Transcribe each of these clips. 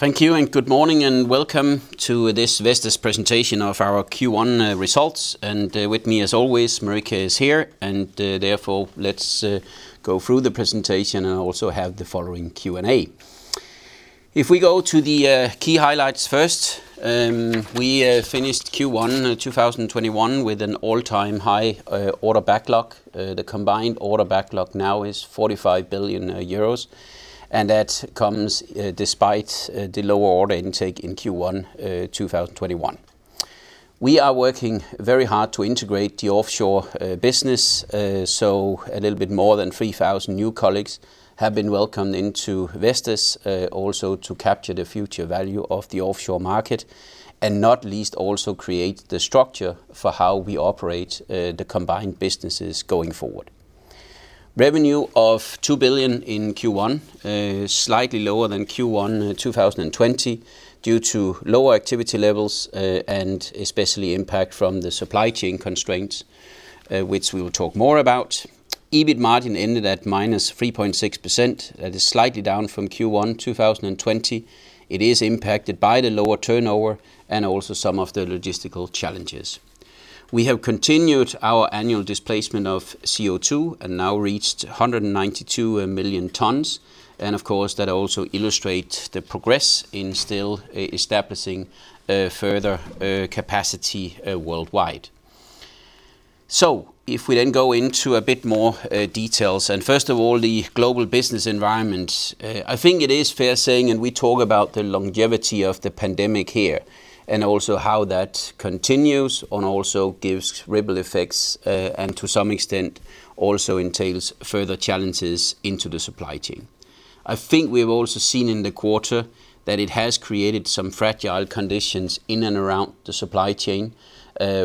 Thank you, good morning, and welcome to this Vestas presentation of our Q1 results. With me, as always, Marika is here, and therefore, let's go through the presentation, and also have the following Q&A. If we go to the key highlights first, we finished Q1 2021 with an all-time high order backlog. The combined order backlog now is 45 billion euros, and that comes despite the lower order intake in Q1 2021. We are working very hard to integrate the offshore business. A little bit more than 3,000 new colleagues have been welcomed into Vestas, also to capture the future value of the offshore market, and not least, also create the structure for how we operate the combined businesses going forward. Revenue of 2 billion in Q1, slightly lower than Q1 2020 due to lower activity levels, especially impact from the supply chain constraints, which we will talk more about. EBIT margin ended at -3.6%. That is slightly down from Q1 2020. It is impacted by the lower turnover also some of the logistical challenges. We have continued our annual displacement of CO2, now reached 192 million tons. Of course, that also illustrates the progress in still establishing further capacity worldwide. If we go into a bit more details, first of all, the global business environment, I think it is fair saying, we talk about the longevity of the pandemic here, also how that continues also gives ripple effects, to some extent, also entails further challenges into the supply chain. I think we have also seen in the quarter that it has created some fragile conditions in and around the supply chain,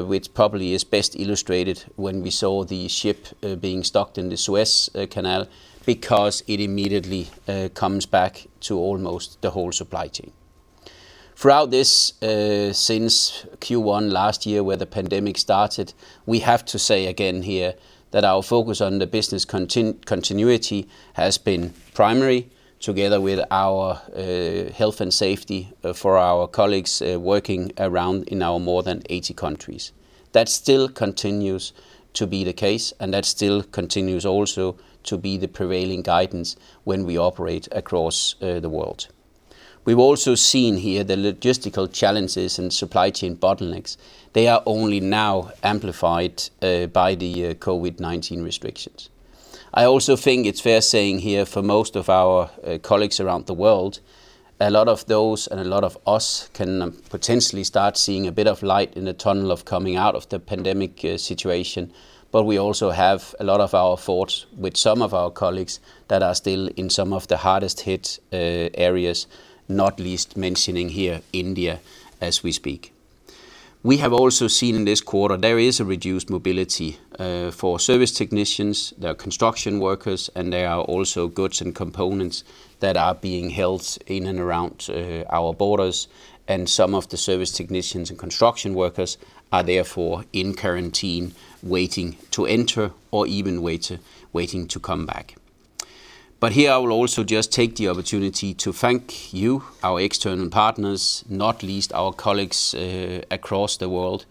which probably is best illustrated when we saw the ship being stuck in the Suez Canal, because it immediately comes back to almost the whole supply chain. Throughout this, since Q1 last year where the pandemic started, we have to say again here that our focus on the business continuity has been primary, together with our health and safety for our colleagues working around in our more than 80 countries. That still continues to be the case, and that still continues also to be the prevailing guidance when we operate across the world. We've also seen here the logistical challenges and supply chain bottlenecks. They are only now amplified by the COVID-19 restrictions. I also think it's fair saying here, for most of our colleagues around the world, a lot of those and a lot of us can potentially start seeing a bit of light in the tunnel of coming out of the pandemic situation. We also have a lot of our thoughts with some of our colleagues that are still in some of the hardest hit areas, not least mentioning here India as we speak. We have also seen in this quarter there is a reduced mobility for service technicians. There are construction workers, and there are also goods and components that are being held in and around our borders. Some of the service technicians and construction workers are therefore in quarantine, waiting to enter or even waiting to come back. Here, I will also just take the opportunity to thank you, our external partners, not least our colleagues across the world.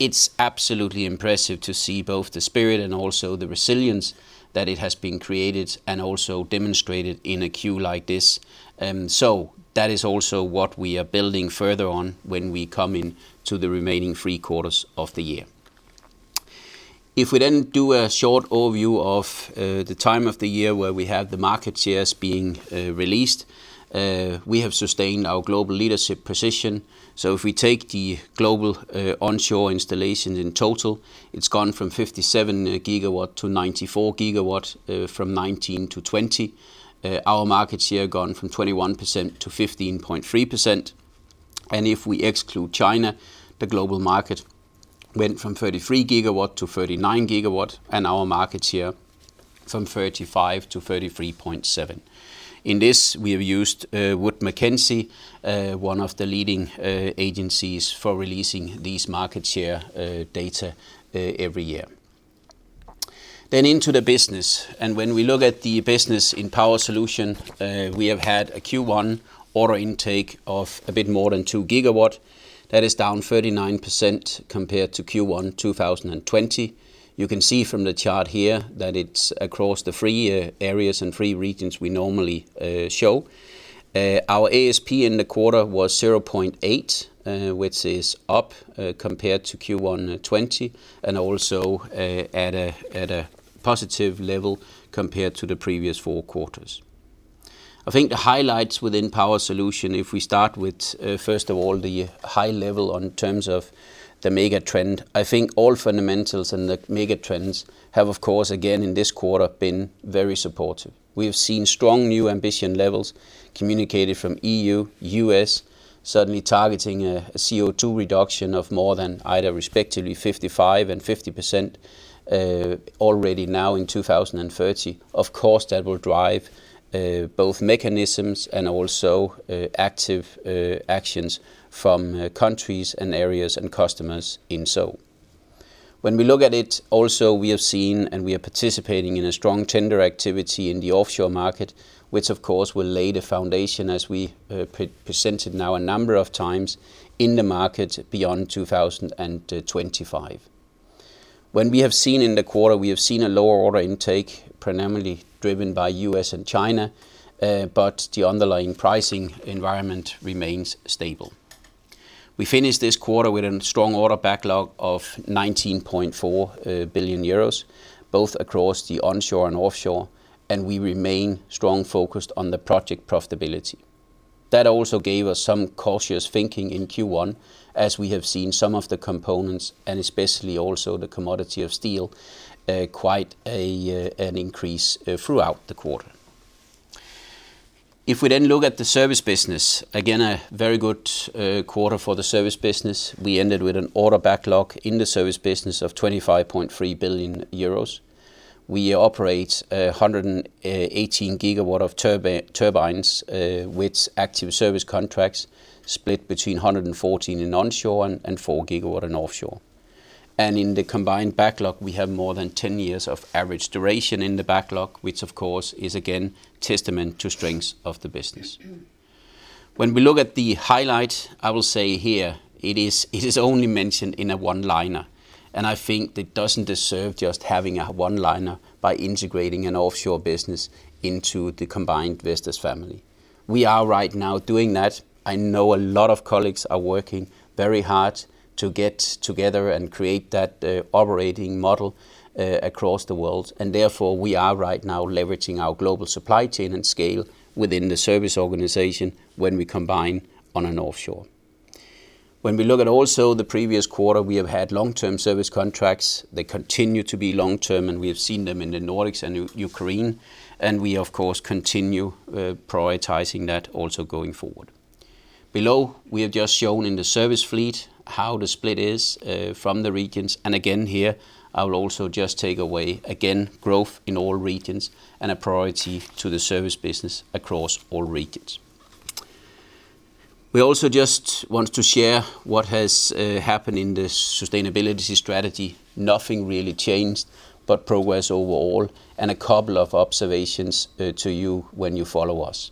It's absolutely impressive to see both the spirit and also the resilience that it has been created and also demonstrated in a queue like this. That is also what we are building further on when we come into the remaining three quarters of the year. If we do a short overview of the time of the year where we have the market shares being released, we have sustained our global leadership position. If we take the global onshore installations in total, it's gone from 57 GW-94 GW from 2019-2020. Our market share gone from 21%-15.3%. If we exclude China, the global market went from 33 GW-39 GW, and our market share from 35%-33.7%. In this, we have used Wood Mackenzie, one of the leading agencies for releasing these market share data every year. Into the business. When we look at the business in Power Solutions, we have had a Q1 order intake of a bit more than 2 GW. That is down 39% compared to Q1 2020. You can see from the chart here that it's across the three areas and three regions we normally show. Our ASP in the quarter was 0.8, which is up compared to Q1 2020, and also at a positive level compared to the previous four quarters. I think the highlights within Power Solutions, if we start with, first of all, the high level in terms of the megatrend, I think all fundamentals and the megatrends have, of course, again in this quarter, been very supportive. We have seen strong new ambition levels communicated from EU, U.S., suddenly targeting a CO2 reduction of more than either respectively 55% and 50% already now in 2030. That will drive both mechanisms and also active actions from countries and areas and customers in so. When we look at it also, we have seen and we are participating in a strong tender activity in the offshore market, which of course will lay the foundation as we presented now a number of times in the market beyond 2025. What we have seen in the quarter, we have seen a lower order intake, predominantly driven by U.S. and China, the underlying pricing environment remains stable. We finished this quarter with a strong order backlog of 19.4 billion euros, both across the onshore and offshore, we remain strong focused on the project profitability. That also gave us some cautious thinking in Q1, as we have seen some of the components, and especially also the commodity of steel, quite an increase throughout the quarter. If we look at the service business, again, a very good quarter for the service business. We ended with an order backlog in the service business of 25.3 billion euros. We operate 118 GW of turbines, with active service contracts split between 114 in onshore and 4 GW in offshore. In the combined backlog, we have more than 10 years of average duration in the backlog, which of course is again testament to strengths of the business. When we look at the highlights, I will say here it is only mentioned in a one-liner, and I think it doesn't deserve just having a one-liner by integrating an offshore business into the combined Vestas family. We are right now doing that. I know a lot of colleagues are working very hard to get together and create that operating model across the world, and therefore we are right now leveraging our global supply chain and scale within the service organization when we combine on and offshore. When we look at also the previous quarter, we have had long-term service contracts. They continue to be long-term, and we have seen them in the Nordics and Ukraine, and we of course continue prioritizing that also going forward. Below, we have just shown in the service fleet how the split is from the regions. Again, here I will also just take away growth in all regions and a priority to the service business across all regions. We also just want to share what has happened in the sustainability strategy. Nothing really changed but progress overall. A couple of observations to you when you follow us.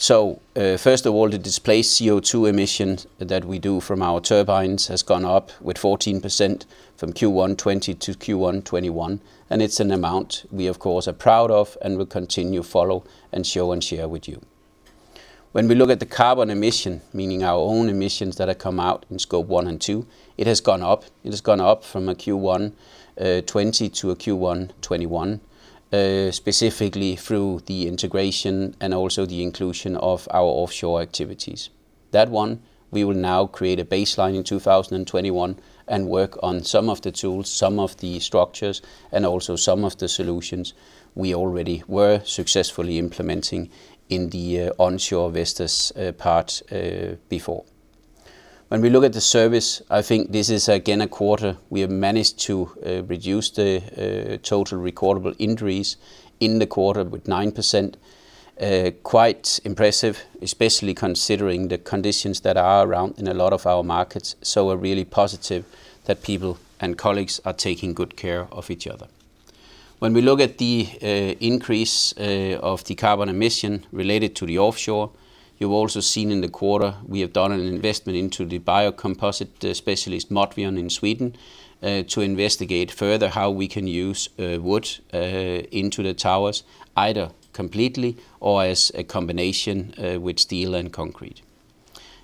First of all, the displaced CO2 emission that we do from our turbines has gone up with 14% from Q1 2020-Q1 2021, and it's an amount we of course are proud of and will continue to follow and show and share with you. When we look at the carbon emission, meaning our own emissions that have come out in Scope 1 and 2, it has gone up. It has gone up from a Q1 2020 to a Q1 2021, specifically through the integration and also the inclusion of our offshore activities. That one, we will now create a baseline in 2021 and work on some of the tools, some of the structures, and also some of the solutions we already were successfully implementing in the onshore Vestas part before. When we look at the service, I think this is again, a quarter we have managed to reduce the total recordable injuries in the quarter with 9%. Quite impressive, especially considering the conditions that are around in a lot of our markets. We're really positive that people and colleagues are taking good care of each other. When we look at the increase of the carbon emission related to the offshore, you've also seen in the quarter we have done an investment into the biocomposite specialist Modvion in Sweden, to investigate further how we can use wood into the towers, either completely or as a combination with steel and concrete.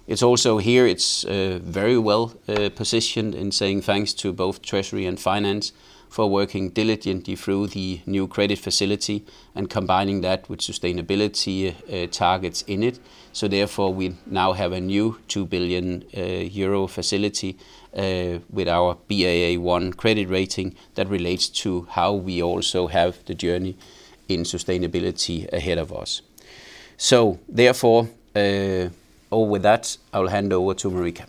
It's also here, it's very well positioned in saying thanks to both treasury and finance for working diligently through the Nykredit facility and combining that with sustainability targets in it. Therefore, we now have a new 2 billion euro facility, with our Baa1 credit rating that relates to how we also have the journey in sustainability ahead of us. Therefore, with that, I will hand over to Marika.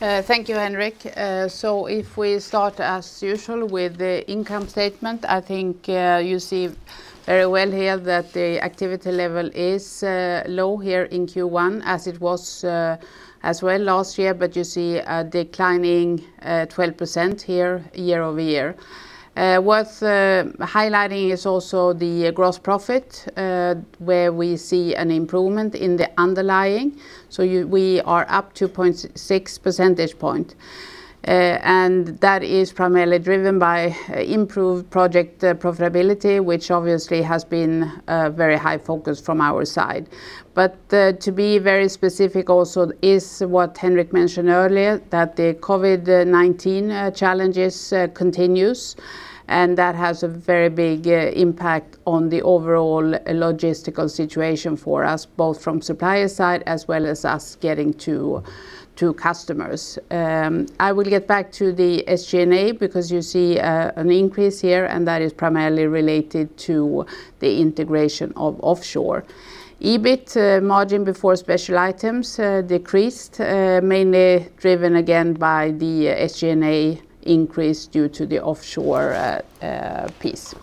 Thank you, Henrik. If we start as usual with the income statement, I think you see very well here that the activity level is low here in Q1 as it was as well last year. You see a declining 12% here year-over-year. Worth highlighting is also the gross profit, where we see an improvement in the underlying. We are up 2.6 percentage point. That is primarily driven by improved project profitability, which obviously has been a very high focus from our side. To be very specific also is what Henrik mentioned earlier, that the COVID-19 challenges continues, and that has a very big impact on the overall logistical situation for us, both from supplier side as well as us getting to customers. I will get back to the SG&A because you see an increase here, and that is primarily related to the integration of offshore. EBIT margin before special items decreased, mainly driven again by the SG&A increase due to the offshore piece.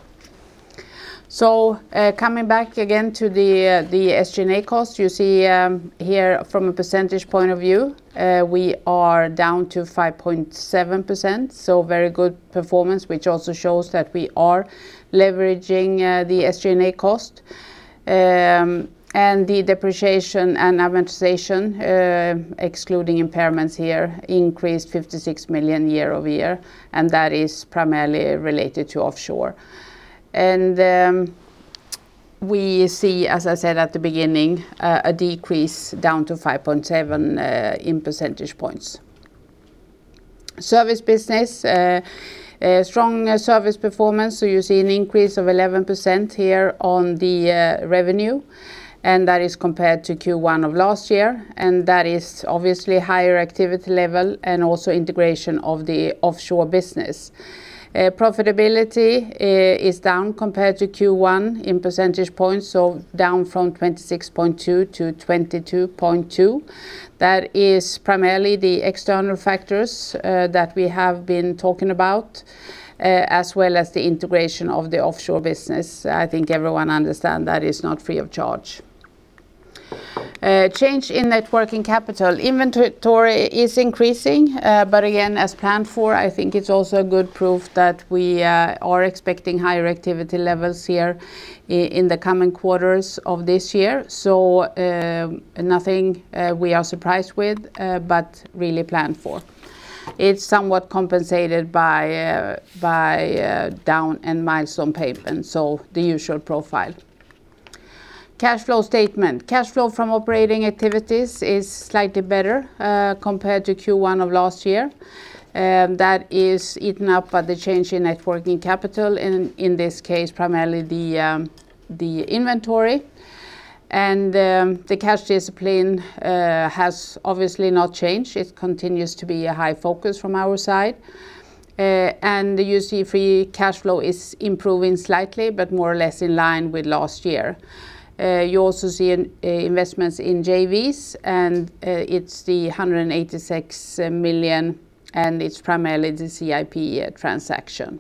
Coming back again to the SG&A cost, you see here from a percentage point of view, we are down to 5.7%. Very good performance, which also shows that we are leveraging the SG&A cost. The depreciation and amortization, excluding impairments here, increased 56 million year-over-year, and that is primarily related to offshore. We see, as I said at the beginning, a decrease down to 5.7 percentage points. Service business. Strong service performance. You see an increase of 11% here on the revenue, and that is compared to Q1 of last year, and that is obviously higher activity level and also integration of the offshore business. Profitability is down compared to Q1 in percentage points, down from 26.2-22.2. That is primarily the external factors that we have been talking about, as well as the integration of the offshore business. I think everyone understand that is not free of charge. Change in net working capital. Inventory is increasing, again, as planned for, I think it's also a good proof that we are expecting higher activity levels here in the coming quarters of this year. Nothing we are surprised with, really planned for. It's somewhat compensated by down and milestone payment, the usual profile. Cash flow statement. Cash flow from operating activities is slightly better, compared to Q1 of last year. That is eaten up by the change in net working capital, in this case, primarily the inventory. The cash discipline has obviously not changed. It continues to be a high focus from our side. You see free cash flow is improving slightly, but more or less in line with last year. You also see investments in JVs, and it's the 186 million, and it's primarily the CIP transaction.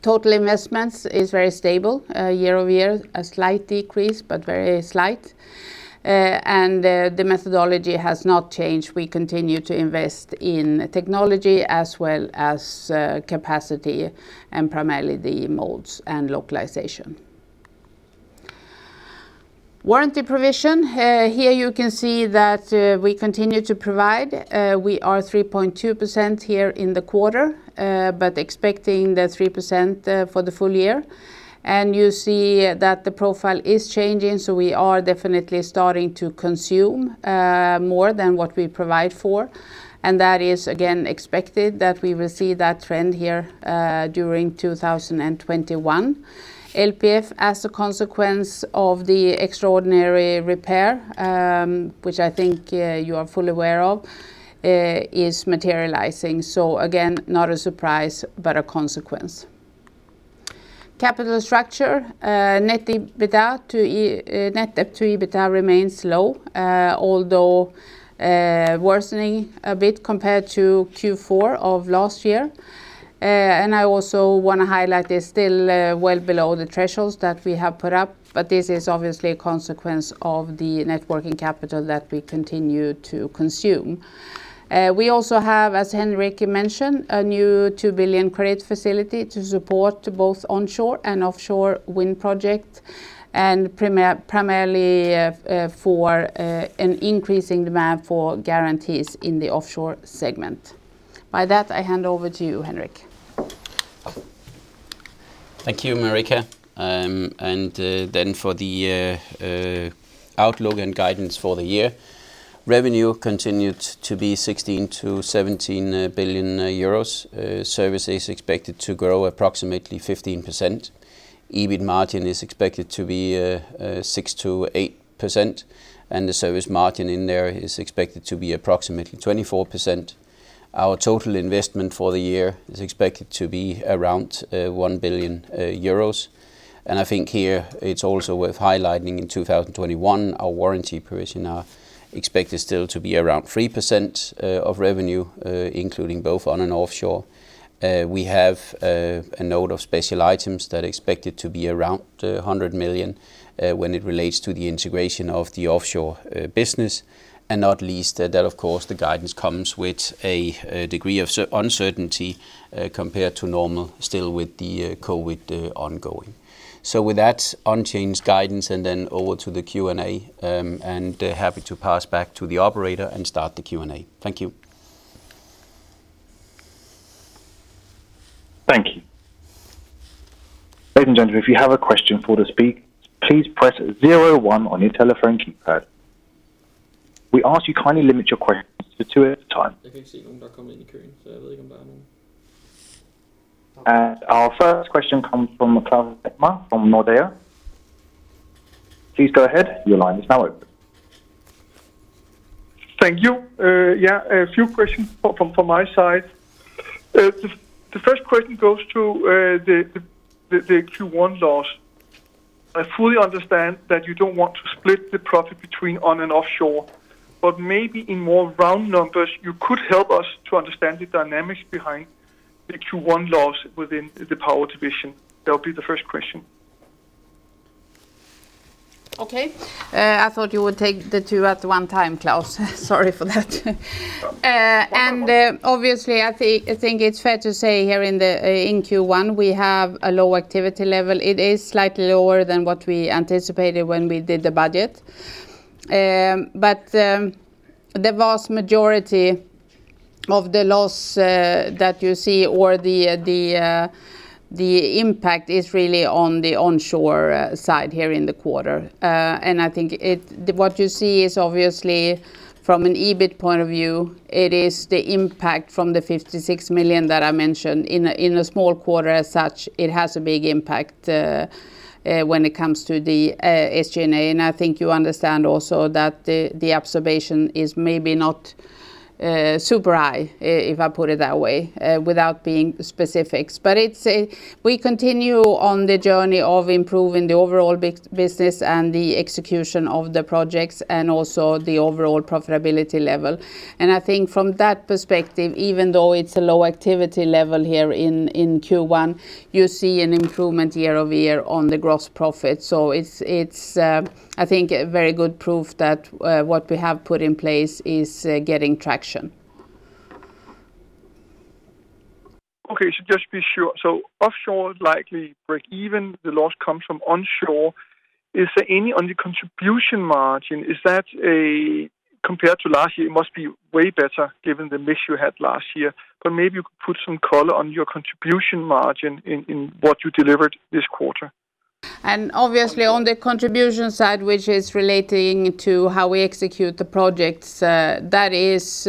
Total investments is very stable year-over-year. A slight decrease, but very slight. The methodology has not changed. We continue to invest in technology as well as capacity and primarily the molds and localization. Warranty provision. Here you can see that we continue to provide. We are 3.2% here in the quarter, but expecting the 3% for the full year. You see that the profile is changing, we are definitely starting to consume more than what we provide for. That is again, expected that we will see that trend here, during 2021. LPF, as a consequence of the extraordinary repair, which I think you are fully aware of, is materializing. Again, not a surprise, but a consequence. Capital structure. Net debt to EBITDA remains low, although worsening a bit compared to Q4 of last year. I also want to highlight they're still well below the thresholds that we have put up, but this is obviously a consequence of the net working capital that we continue to consume. We also have, as Henrik mentioned, a new 2 billion credit facility to support both onshore and offshore wind projects, and primarily for an increasing demand for guarantees in the offshore segment. By that, I hand over to you, Henrik. Thank you, Marika. For the outlook and guidance for the year. Revenue continued to be 16 billion-17 billion euros. Service is expected to grow approximately 15%. EBIT margin is expected to be 6%-8%, and the service margin in there is expected to be approximately 24%. Our total investment for the year is expected to be around 1 billion euros. I think here it's also worth highlighting in 2021, our warranty provision are expected still to be around 3% of revenue, including both on and offshore. We have a note of special items that expected to be around 100 million, when it relates to the integration of the offshore business. Not least that, of course, the guidance comes with a degree of uncertainty, compared to normal still with the COVID ongoing. With that unchanged guidance and then over to the Q&A, happy to pass back to the operator and start the Q&A. Thank you. Thank you. Ladies and gentlemen, if you have a question for the speaker, please press zero one on your telephone keypad. We ask you kindly limit your questions to two at a time. I can't see anyone that's coming in the queue, so I don't know if there are more. Our first question comes from Claus Almer from Nordea. Please go ahead. Your line is now open. Thank you. A few questions from my side. The first question goes to the Q1 loss. I fully understand that you don't want to split the profit between on and offshore, but maybe in more round numbers, you could help us to understand the dynamics behind the Q1 loss within the Power Solutions division. That will be the first question. Okay. I thought you would take the two at one time, Claus. Sorry for that. Obviously, I think it's fair to say here in Q1, we have a low activity level. It is slightly lower than what we anticipated when we did the budget. The vast majority of the loss that you see or the impact is really on the onshore side here in the quarter. I think what you see is obviously from an EBIT point of view, it is the impact from the 56 million that I mentioned. In a small quarter as such, it has a big impact when it comes to the SG&A. I think you understand also that the observation is maybe not super high, if I put it that way, without being specifics. We continue on the journey of improving the overall business and the execution of the projects and also the overall profitability level. I think from that perspective, even though it's a low activity level here in Q1, you see an improvement year-over-year on the gross profit. It's I think very good proof that what we have put in place is getting traction. Just to be sure, offshore is likely breakeven. The loss comes from onshore. Is there any on the contribution margin? Compared to last year, it must be way better given the miss you had last year, maybe you could put some color on your contribution margin in what you delivered this quarter. Obviously on the contribution side, which is relating to how we execute the projects, that is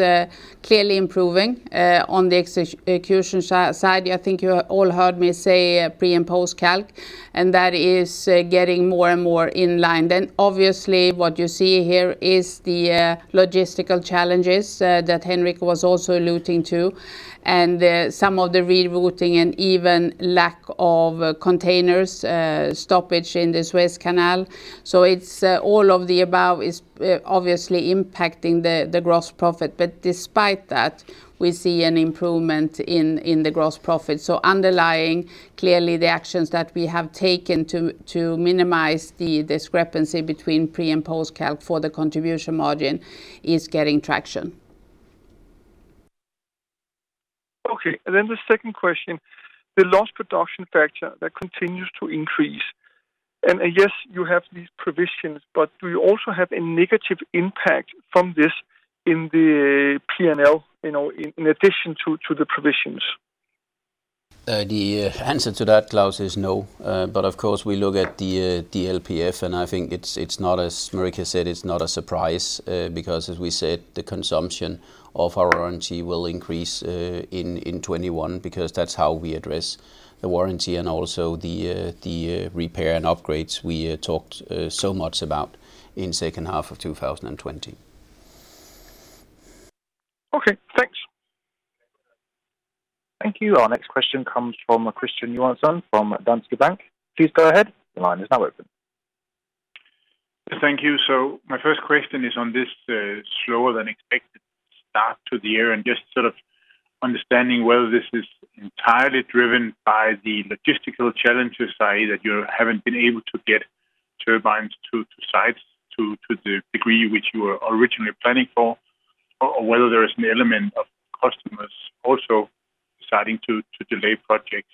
clearly improving. On the execution side, I think you all heard me say pre-calc and post-calc, and that is getting more and more in line. Obviously what you see here is the logistical challenges that Henrik was also alluding to, and some of the rerouting and even lack of containers, stoppage in the Suez Canal. All of the above is obviously impacting the gross profit. Despite that, we see an improvement in the gross profit. Underlying, clearly the actions that we have taken to minimize the discrepancy between pre-calc and post-calc for the contribution margin is getting traction. Okay, the second question, the lost production factor that continues to increase. Yes, you have these provisions, but do you also have a negative impact from this in the P&L, in addition to the provisions? The answer to that, Claus, is no. Of course we look at the LPF, and I think as Marika said, it's not a surprise, because as we said, the consumption of our warranty will increase in 2021 because that's how we address the warranty and also the repair and upgrades we talked so much about in second half of 2020. Okay. Thanks. Thank you. Our next question comes from Christian Hansen from Danske Bank. Please go ahead. Thank you. My first question is on this slower than expected start to the year, and just sort of understanding whether this is entirely driven by the logistical challenges, i.e. that you haven't been able to get turbines to sites to the degree which you were originally planning for, or whether there is an element of customers also deciding to delay projects.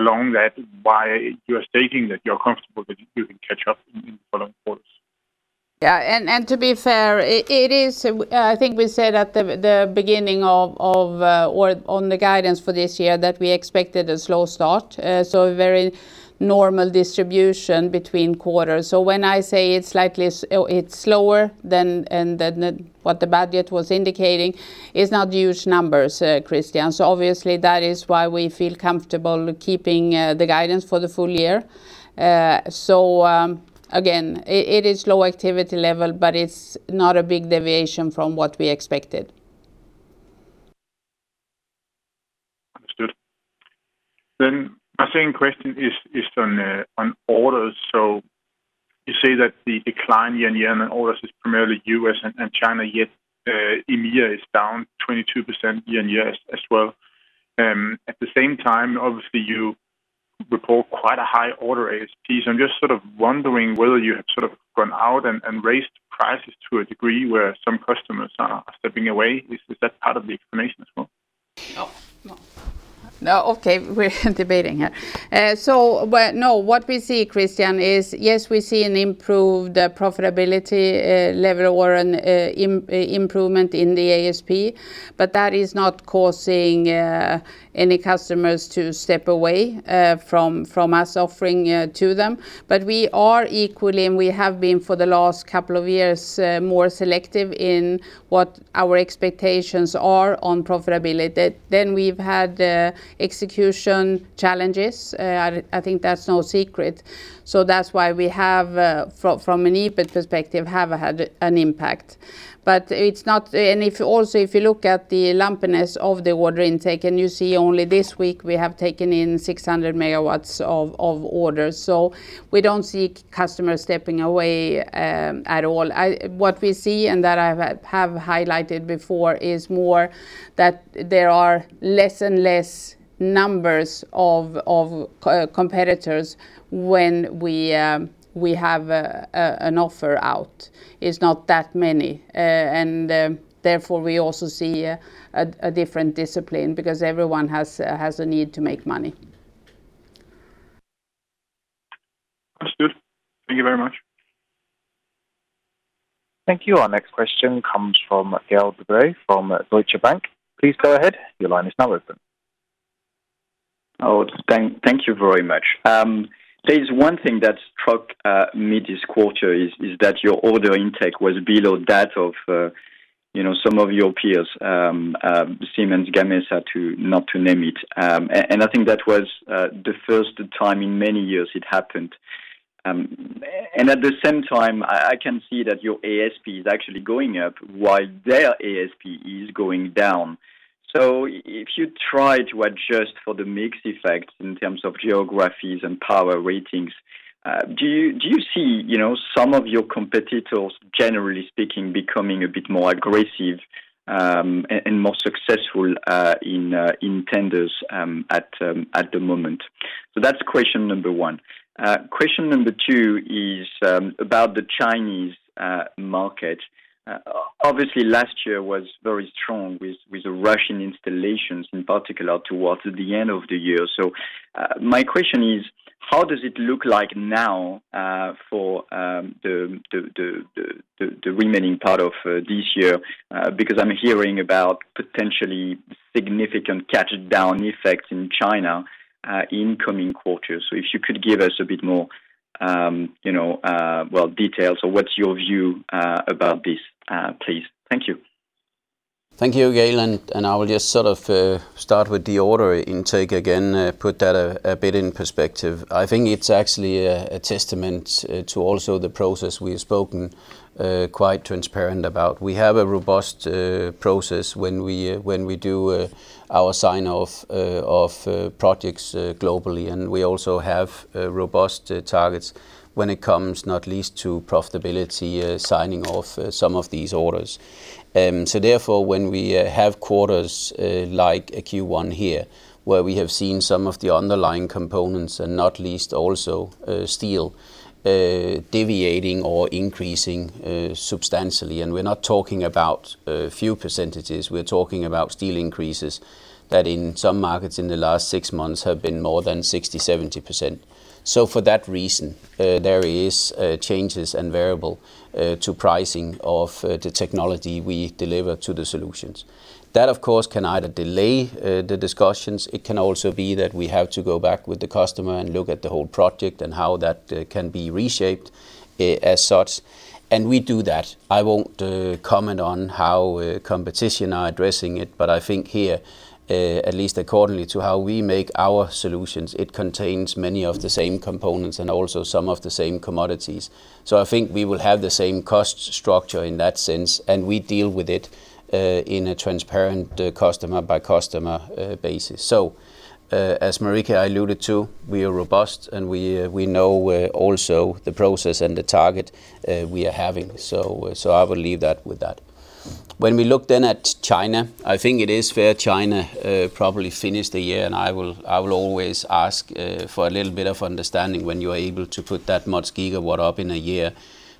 Along that, why you are stating that you're comfortable that you can catch up in following quarters. And to be fair, I think we said at the beginning on the guidance for this year that we expected a slow start, so a very normal distribution between quarters. When I say it's slower than what the budget was indicating, it's not huge numbers, Christian. Obviously that is why we feel comfortable keeping the guidance for the full year. Again, it is low activity level, but it's not a big deviation from what we expected. Understood. My second question is on orders. You say that the decline year-on-year in orders is primarily U.S. and China, yet EMEA is down 22% year-on-year as well. At the same time, obviously you report quite a high order ASPs. I'm just sort of wondering whether you have sort of gone out and raised prices to a degree where some customers are stepping away. Is that part of the explanation as well? No. No. Okay, we're debating here. No, what we see, Christian, is, yes, we see an improved profitability level or an improvement in the ASP, but that is not causing any customers to step away from us offering to them. We are equally, and we have been for the last couple of years, more selective in what our expectations are on profitability. We've had execution challenges. I think that's no secret. That's why we, from an EBIT perspective, have had an impact. Also if you look at the lumpiness of the order intake, and you see only this week we have taken in 600 MW of orders. We don't see customers stepping away at all. What we see, and that I have highlighted before, is more that there are less and less numbers of competitors when we have an offer out. It's not that many. Therefore we also see a different discipline because everyone has a need to make money. Thank you. Our next question comes from Gaël de Bray from Deutsche Bank. Please go ahead. Your line is now open. Oh, thank you very much. There is one thing that struck me this quarter is that your order intake was below that of some of your peers, Siemens Gamesa, not to name it. I think that was the first time in many years it happened. At the same time, I can see that your ASP is actually going up while their ASP is going down. If you try to adjust for the mix effect in terms of geographies and power ratings, do you see some of your competitors, generally speaking, becoming a bit more aggressive, and more successful in tenders at the moment? That's question number one. Question number two is about the Chinese market. Obviously, last year was very strong with the Russian installations, in particular towards the end of the year. My question is, how does it look like now for the remaining part of this year? I'm hearing about potentially significant catch-down effects in China in coming quarters. If you could give us a bit more details or what's your view about this, please. Thank you. Thank you, Gaël. I will just start with the order intake again, put that a bit in perspective. I think it is actually a testament to also the process we have spoken quite transparent about. We have a robust process when we do our sign-off of projects globally, and we also have robust targets when it comes, not least to profitability, signing off some of these orders. Therefore, when we have quarters like Q1 here, where we have seen some of the underlying components and not least also steel deviating or increasing substantially. We are not talking about a few percentages, we are talking about steel increases that in some markets in the last six months have been more than 60%-70%. For that reason, there are changes and variability to pricing of the technology we deliver to the solutions. That, of course, can either delay the discussions. It can also be that we have to go back with the customer and look at the whole project and how that can be reshaped as such. We do that. I won't comment on how competition are addressing it, but I think here, at least accordingly to how we make our solutions, it contains many of the same components and also some of the same commodities. I think we will have the same cost structure in that sense, and we deal with it in a transparent customer by customer basis. As Marika alluded to, we are robust, and we know also the process and the target we are having. I will leave that with that. When we look at China, I think it is fair China probably finished the year. I will always ask for a little bit of understanding when you are able to put that much gigawatt up in a year,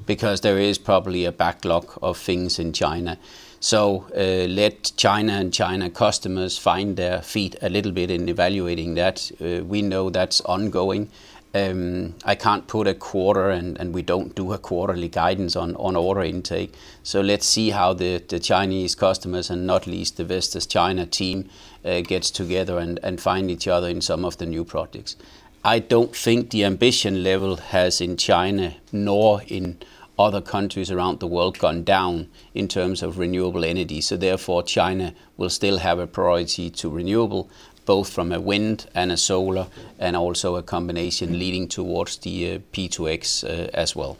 because there is probably a backlog of things in China. Let China and China customers find their feet a little bit in evaluating that. We know that's ongoing. I can't put a quarter. We don't do a quarterly guidance on order intake. Let's see how the Chinese customers and not least the Vestas China team gets together and find each other in some of the new projects. I don't think the ambition level has in China nor in other countries around the world gone down in terms of renewable energy. Therefore, China will still have a priority to renewable, both from a wind and a solar, and also a combination leading towards the P2X as well.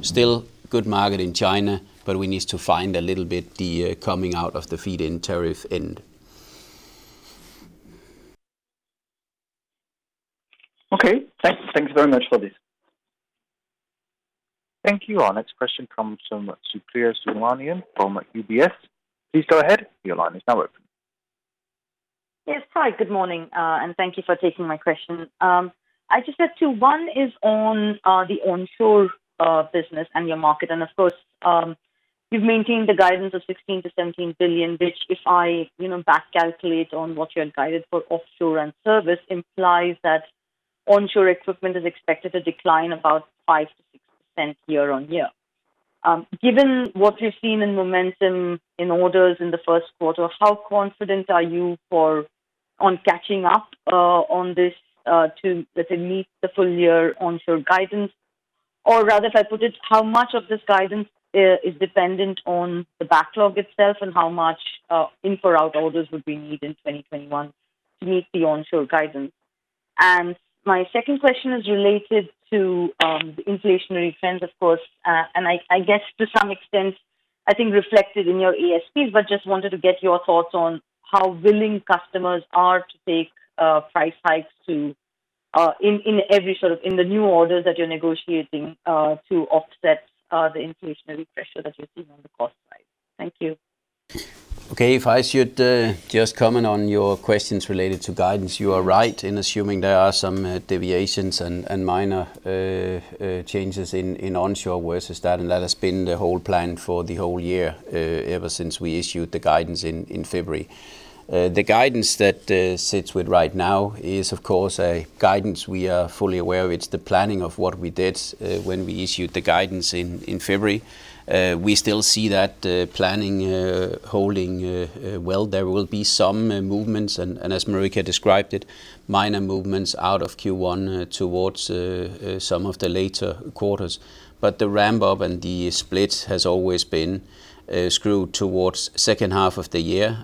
Still good market in China, but we need to find a little bit the coming out of the feed-in tariff end. Okay. Thanks very much for this. Thank you. Our next question comes from Supriya Subramanian from UBS. Please go ahead. Your line is now open. Yes. Hi, good morning. Thank you for taking my question. I just had two. One is on the onshore business and your market. Of course, you've maintained the guidance of 16 billion-17 billion, which if I back calculate on what you had guided for offshore and service, implies that onshore equipment is expected to decline about 5%-6% year-on-year. Given what you've seen in momentum in orders in the first quarter, how confident are you on catching up on this to, let's say, meet the full year onshore guidance? Rather if I put it, how much of this guidance is dependent on the backlog itself, and how much in for out orders would we need in 2021 to meet the onshore guidance? My second question is related to the inflationary trends, of course, and I guess to some extent, I think reflected in your ASPs, but just wanted to get your thoughts on how willing customers are to take price hikes in the new orders that you're negotiating to offset the inflationary pressure that you're seeing on the cost side. Thank you. Okay. If I should just comment on your questions related to guidance, you are right in assuming there are some deviations and minor changes in onshore versus that, and that has been the whole plan for the whole year, ever since we issued the guidance in February. The guidance that sits with right now is, of course, a guidance we are fully aware of. It's the planning of what we did when we issued the guidance in February. We still see that planning holding well. There will be some movements and, as Marika described it, minor movements out of Q1 towards some of the later quarters. The ramp up and the split has always been skewed towards second half of the year,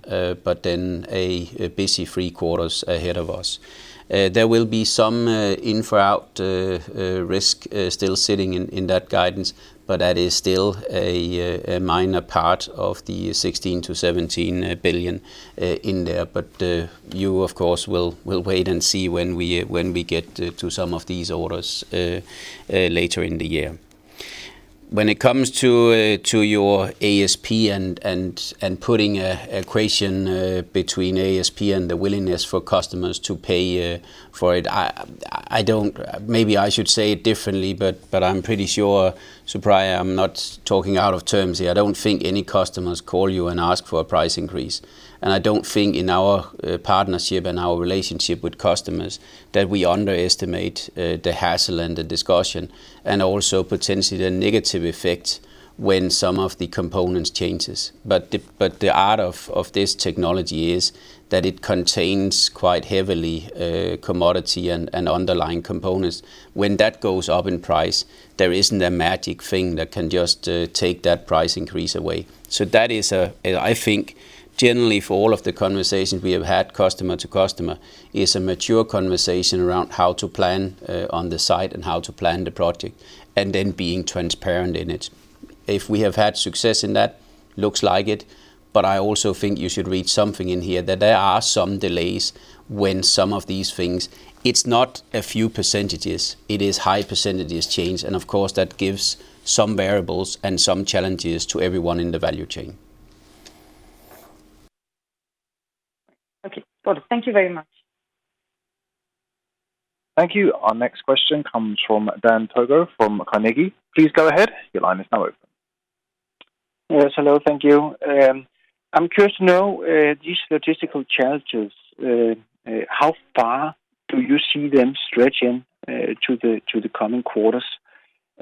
but then a busy three quarters ahead of us. There will be some in-for-out risk still sitting in that guidance, but that is still a minor part of the 16 billion-17 billion in there. You, of course, will wait and see when we get to some of these orders later in the year. When it comes to your ASP and putting a equation between ASP and the willingness for customers to pay for it, maybe I should say it differently, I'm pretty sure, Supriya, I'm not talking out of terms here. I don't think any customers call you and ask for a price increase. I don't think in our partnership and our relationship with customers that we underestimate the hassle and the discussion, and also potentially the negative effect when some of the components changes. The art of this technology is that it contains quite heavily commodity and underlying components. When that goes up in price, there isn't a magic thing that can just take that price increase away. That is, I think, generally for all of the conversations we have had, customer to customer, is a mature conversation around how to plan on the site and how to plan the project, and then being transparent in it. If we have had success in that, looks like it, but I also think you should read something in here that there are some delays when some of these things. It's not a few percentages, it is high percentages change, and of course, that gives some variables and some challenges to everyone in the value chain. Okay. Good. Thank you very much. Thank you. Our next question comes from Dan Togo from Carnegie. Please go ahead. Yes, hello. Thank you. I'm curious to know, these logistical challenges, how far do you see them stretching to the coming quarters?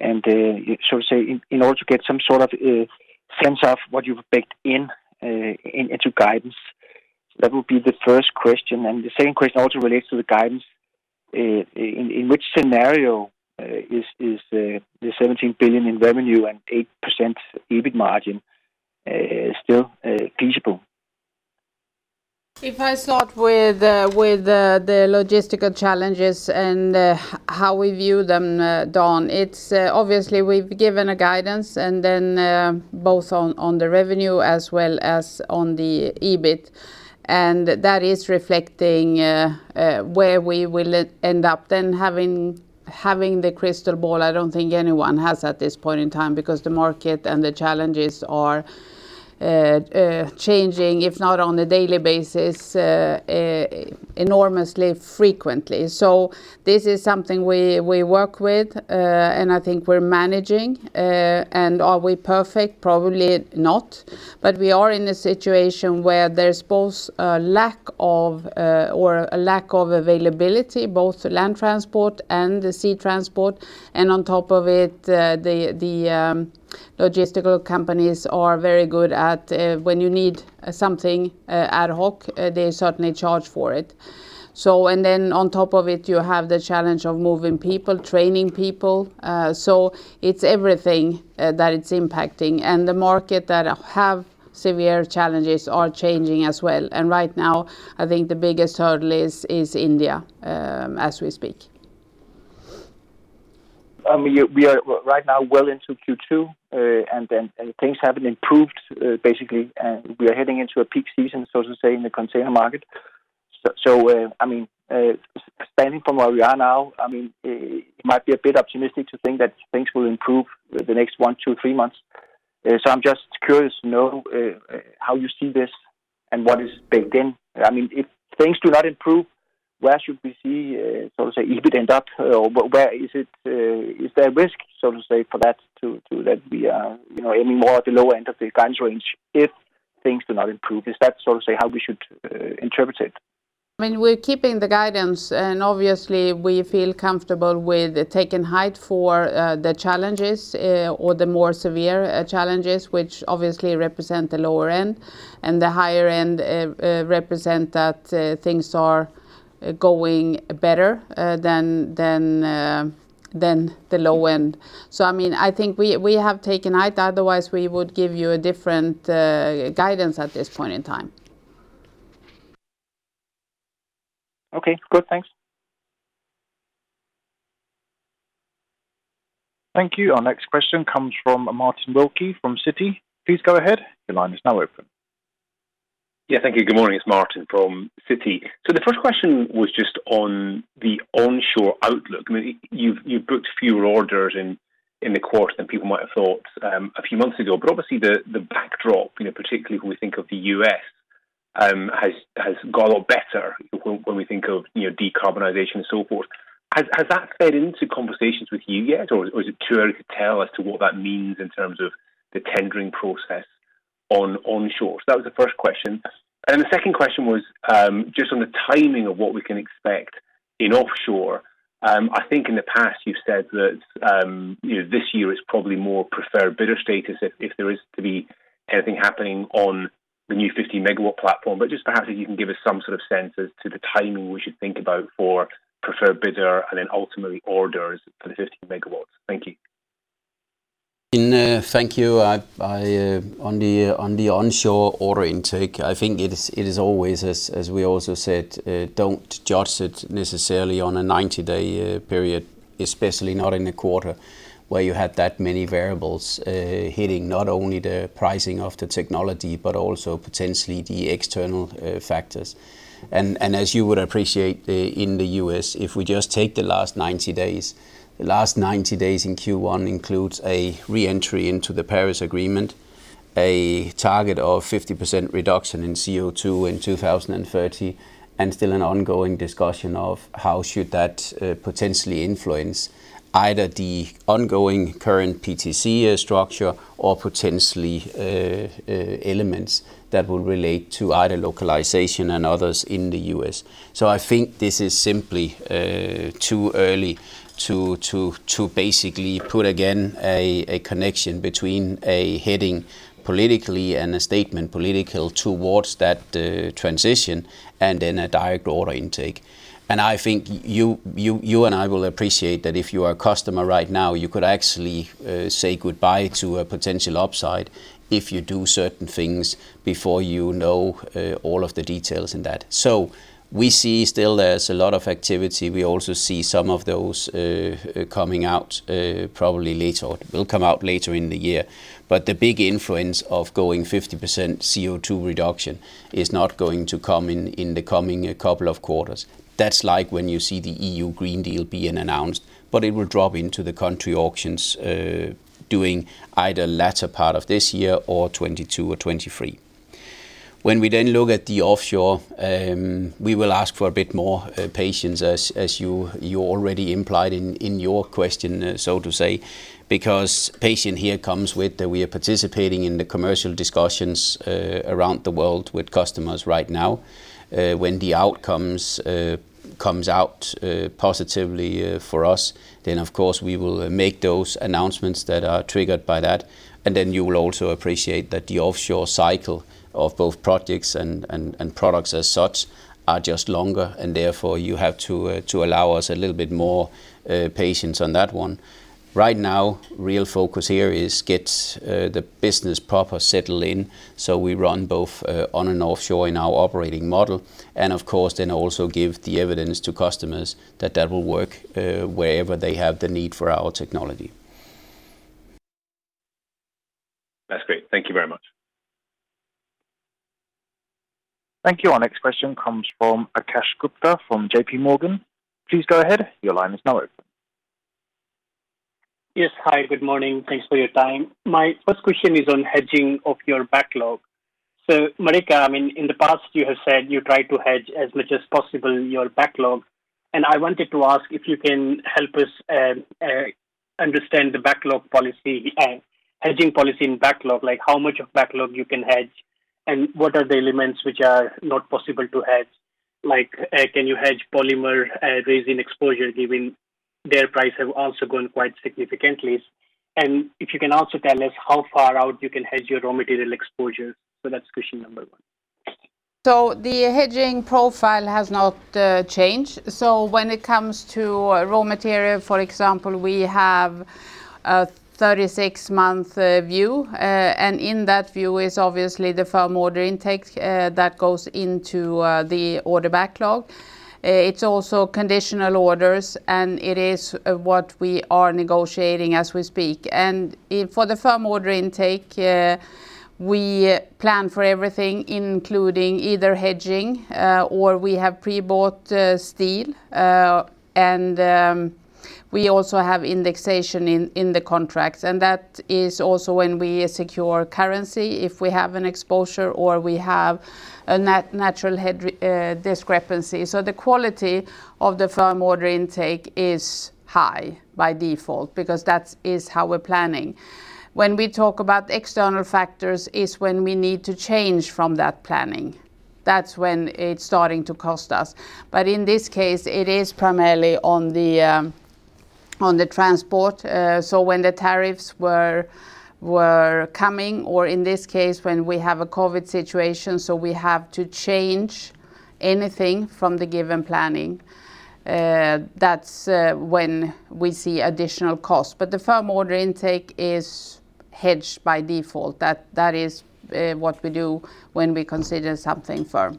To say, in order to get some sort of sense of what you've baked into guidance, that would be the first question. The second question also relates to the guidance. In which scenario is the 17 billion in revenue and 8% EBIT margin still feasible? I start with the logistical challenges and how we view them, Dan, it's obviously we've given a guidance and then both on the revenue as well as on the EBIT, and that is reflecting where we will end up then. Having the crystal ball, I don't think anyone has at this point in time because the market and the challenges are changing, if not on a daily basis, enormously frequently. This is something we work with, and I think we're managing. Are we perfect? Probably not. We are in a situation where there's both a lack of availability, both land transport and the sea transport, and on top of it, the logistical companies are very good at when you need something ad hoc, they certainly charge for it. On top of it, you have the challenge of moving people, training people. It's everything that it's impacting. The market that have severe challenges are changing as well. Right now, I think the biggest hurdle is India, as we speak. We are right now well into Q2. Things haven't improved, basically, we are heading into a peak season, so to say, in the container market. Expanding from where we are now, it might be a bit optimistic to think that things will improve the next one to three months. I'm just curious to know how you see this and what is baked in. If things do not improve, where should we see, so to say, EBIT end up? Is there a risk, so to say, for that to be aiming more at the lower end of the guidance range if things do not improve? Is that so to say how we should interpret it? We're keeping the guidance. Obviously, we feel comfortable with taking heed for the challenges or the more severe challenges, which obviously represent the lower end, and the higher end represent that things are going better than the low end. I think we have taken heed, otherwise we would give you a different guidance at this point in time. Okay, good. Thanks. Thank you. Our next question comes from Martin Wilkie from Citi. Please go ahead. Your line is now open Yeah, thank you. Good morning. It's Martin from Citi. The first question was just on the onshore outlook. You've booked fewer orders in the quarter than people might have thought a few months ago. Obviously the backdrop, particularly when we think of the U.S., has got a lot better when we think of decarbonization and so forth. Has that fed into conversations with you yet? Or is it too early to tell as to what that means in terms of the tendering process on onshore? That was the first question. The second question was just on the timing of what we can expect in offshore. I think in the past you've said that this year it's probably more preferred bidder status if there is to be anything happening on the new 15 MW platform, but just perhaps if you can give us some sort of sense as to the timing we should think about for preferred bidder and then ultimately orders for the 15 MW. Thank you. Thank you. On the onshore order intake, I think it is always as we also said, don't judge it necessarily on a 90-day period, especially not in a quarter where you have that many variables hitting not only the pricing of the technology, but also potentially the external factors. As you would appreciate in the U.S., if we just take the last 90 days, the last 90 days in Q1 includes a re-entry into the Paris Agreement, a target of 50% reduction in CO2 in 2030, and still an ongoing discussion of how should that potentially influence either the ongoing current PTC structure or potentially elements that will relate to either localization and others in the U.S. I think this is simply too early to basically put again a connection between a heading politically and a statement political towards that transition and then a direct order intake. I think you and I will appreciate that if you are a customer right now, you could actually say goodbye to a potential upside if you do certain things before you know all of the details in that. We see still there's a lot of activity. We also see some of those coming out probably later, or will come out later in the year. The big influence of going 50% CO2 reduction is not going to come in the coming couple of quarters. That's like when you see the European Green Deal being announced, but it will drop into the country auctions, during either latter part of this year or 2022 or 2023. Then we look at the offshore, we will ask for a bit more patience as you already implied in your question, so to say, because patience here comes with, we are participating in the commercial discussions around the world with customers right now. The outcomes comes out positively for us, then of course we will make those announcements that are triggered by that. Then you will also appreciate that the offshore cycle of both projects and products as such are just longer, therefore you have to allow us a little bit more patience on that one. Right now, real focus here is get the business proper settled in so we run both on and offshore in our operating model. Of course then also give the evidence to customers that that will work wherever they have the need for our technology. That's great. Thank you very much. Thank you. Our next question comes from Akash Gupta from JPMorgan. Please go ahead. Your line is now open. Yes. Hi, good morning. Thanks for your time. My first question is on hedging of your backlog. Marika, in the past you have said you try to hedge as much as possible your backlog, and I wanted to ask if you can help us understand the hedging policy in backlog. How much of backlog you can hedge, and what are the elements which are not possible to hedge? Can you hedge polymer resin exposure given their price have also gone quite significantly? If you can also tell us how far out you can hedge your raw material exposure. That's question number one. The hedging profile has not changed. When it comes to raw material, for example, we have a 36-month view. In that view is obviously the firm order intake that goes into the order backlog. It's also conditional orders, and it is what we are negotiating as we speak. For the firm order intake, we plan for everything, including either hedging or we have pre-bought steel. We also have indexation in the contracts. That is also when we secure currency, if we have an exposure or we have a natural discrepancy. The quality of the firm order intake is high by default, because that is how we're planning. When we talk about external factors is when we need to change from that planning. That's when it's starting to cost us. In this case, it is primarily on the transport. When the tariffs were coming, or in this case, when we have a COVID-19 situation, so we have to change anything from the given planning, that's when we see additional cost. The firm order intake is hedged by default. That is what we do when we consider something firm.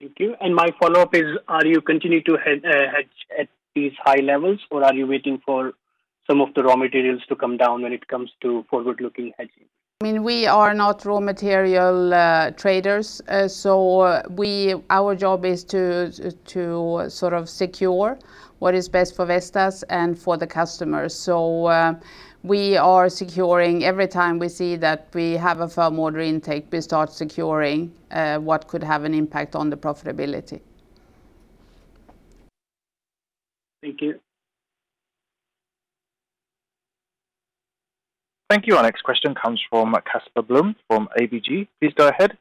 Thank you. My follow-up is, are you continuing to hedge at these high levels, or are you waiting for some of the raw materials to come down when it comes to forward-looking hedging? We are not raw material traders. Our job is to secure what is best for Vestas and for the customers. We are securing every time we see that we have a firm order intake, we start securing what could have an impact on the profitability. Thank you. Thank you. Our next question comes from Casper Blom from ABG. Please go ahead.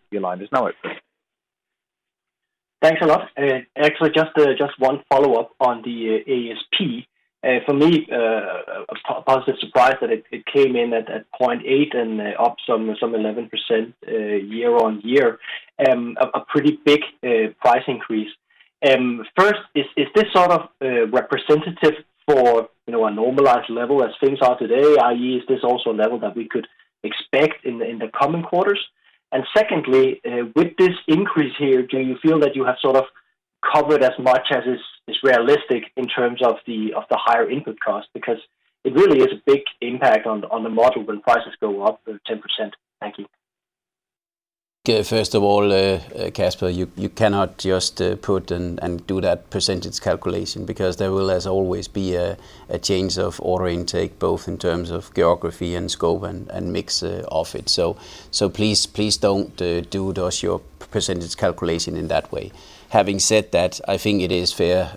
Thanks a lot. Actually, just one follow-up on the ASP. For me, a positive surprise that it came in at 0.8 and up some 11% year-on-year. A pretty big price increase. First, is this sort of representative for a normalized level as things are today, i.e., is this also a level that we could expect in the coming quarters? Secondly, with this increase here, do you feel that you have sort of covered as much as is realistic in terms of the higher input cost? Because it really is a big impact on the model when prices go up 10%. Thank you. First of all, Casper, you cannot just put and do that percentage calculation because there will, as always, be a change of order intake, both in terms of geography and scope and mix of it. Please don't do those your percentage calculation in that way. Having said that, I think it is fair,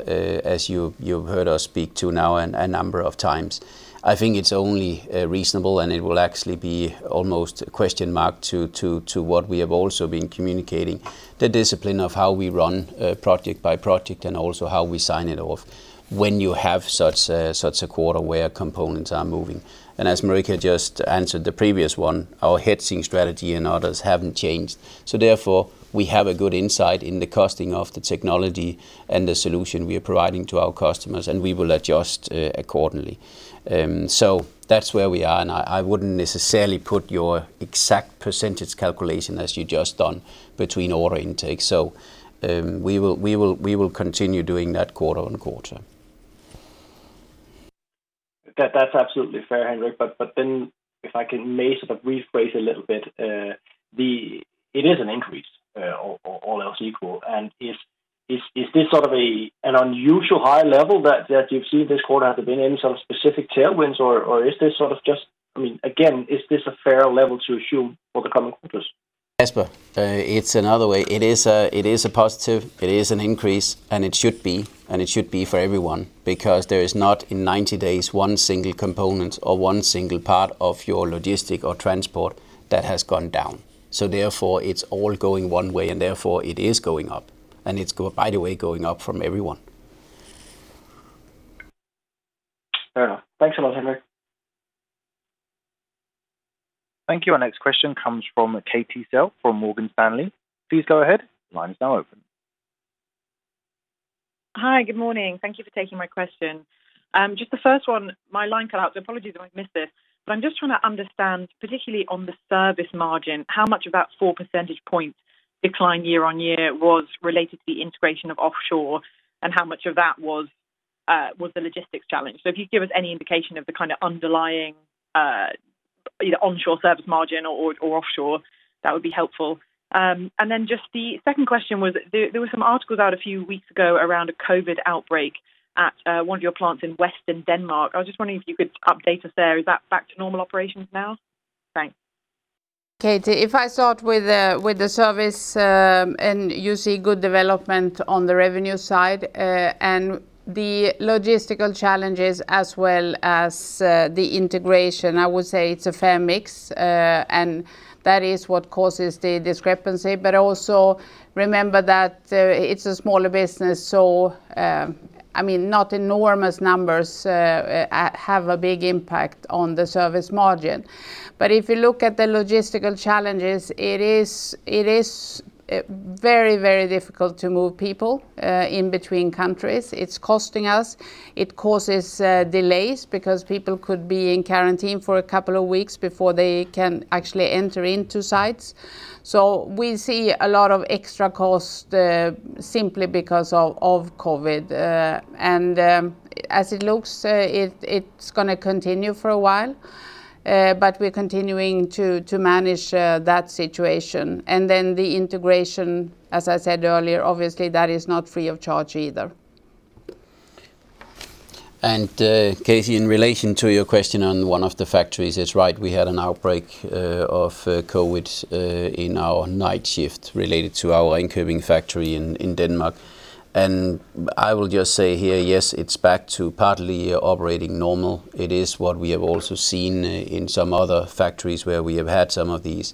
as you've heard us speak to now a number of times, I think it's only reasonable, and it will actually be almost a question mark to what we have also been communicating, the discipline of how we run project by project and also how we sign it off when you have such a quarter where components are moving. As Marika just answered the previous one, our hedging strategy and orders haven't changed. Therefore, we have a good insight in the costing of the technology and the solution we are providing to our customers, and we will adjust accordingly. That's where we are, and I wouldn't necessarily put your exact percentage calculation as you just done between order intake. We will continue doing that quarter-on-quarter. That's absolutely fair, Henrik. If I can maybe sort of rephrase a little bit, it is an increase, all else equal. Is this sort of an unusual high level that you've seen this quarter? Have there been any sort of specific tailwinds, or again, is this a fair level to assume for the coming quarters? Casper, it's another way. It is a positive, it is an increase, and it should be. It should be for everyone, because there is not, in 90 days, one single component or one single part of your logistics or transport that has gone down. Therefore, it's all going one way, and therefore, it is going up. It's, by the way, going up for everyone. Fair enough. Thanks a lot, Henrik. Thank you. Our next question comes from Katie Self from Morgan Stanley. Please go ahead. Hi. Good morning. Thank you for taking my question. Just the first one, my line cut out, so apologies if I missed this. I'm just trying to understand, particularly on the service margin, how much of that four percentage point decline year-on-year was related to the integration of offshore, and how much of that was the logistics challenge? If you could give us any indication of the kind of underlying either onshore service margin or offshore, that would be helpful. Just the second question was, there were some articles out a few weeks ago around a COVID outbreak at one of your plants in western Denmark. I was just wondering if you could update us there. Is that back to normal operations now? Thanks. Katie, if I start with the service, and you see good development on the revenue side, and the logistical challenges as well as the integration, I would say it's a fair mix, and that is what causes the discrepancy. Also remember that it's a smaller business, so not enormous numbers have a big impact on the service margin. If you look at the logistical challenges, it is very difficult to move people in between countries. It's costing us, it causes delays because people could be in quarantine for a couple of weeks before they can actually enter into sites. We see a lot of extra cost simply because of COVID. As it looks, it's going to continue for a while, but we're continuing to manage that situation. Then the integration, as I said earlier, obviously, that is not free of charge either. Katie, in relation to your question on one of the factories, it's right, we had an outbreak of COVID in our night shift related to our Ringkøbing factory in Denmark. I will just say here, yes, it's back to partly operating normal. It is what we have also seen in some other factories where we have had some of these.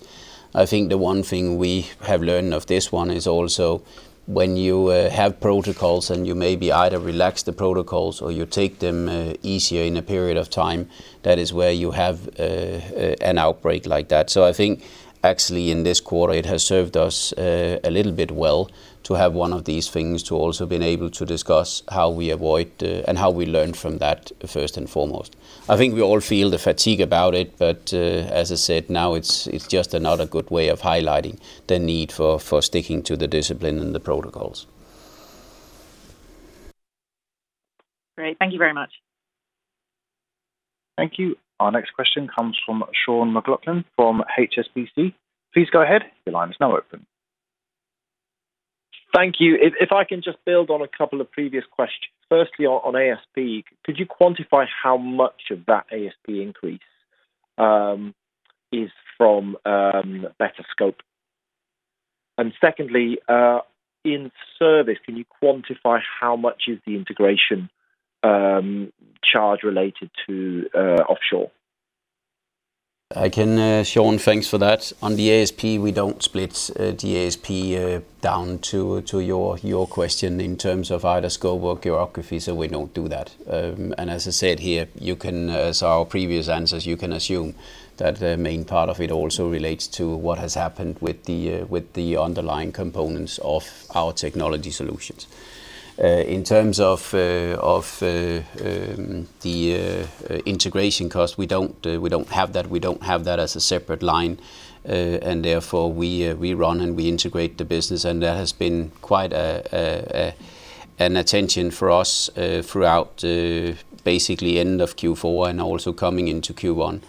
I think the one thing we have learned of this one is also when you have protocols and you maybe either relax the protocols or you take them easier in a period of time, that is where you have an outbreak like that. I think actually in this quarter, it has served us a little bit well to have one of these things, to also been able to discuss how we avoid and how we learn from that first and foremost. I think we all feel the fatigue about it, but as I said, now it's just another good way of highlighting the need for sticking to the discipline and the protocols. Great. Thank you very much. Thank you. Our next question comes from Sean McLoughlin from HSBC. Please go ahead. Thank you. If I can just build on a couple of previous questions. Firstly, on ASP, could you quantify how much of that ASP increase is from better scope? Secondly, in service, can you quantify how much is the integration charge related to offshore? Sean, thanks for that. On the ASP, we don't split the ASP down to your question in terms of either scope or geography, so we don't do that. As I said here, you can, as our previous answers, you can assume that the main part of it also relates to what has happened with the underlying components of our technology solutions. In terms of the integration cost, we don't have that as a separate line, and therefore we run and we integrate the business, and there has been quite an attention for us throughout basically end of Q4 and also coming into Q1.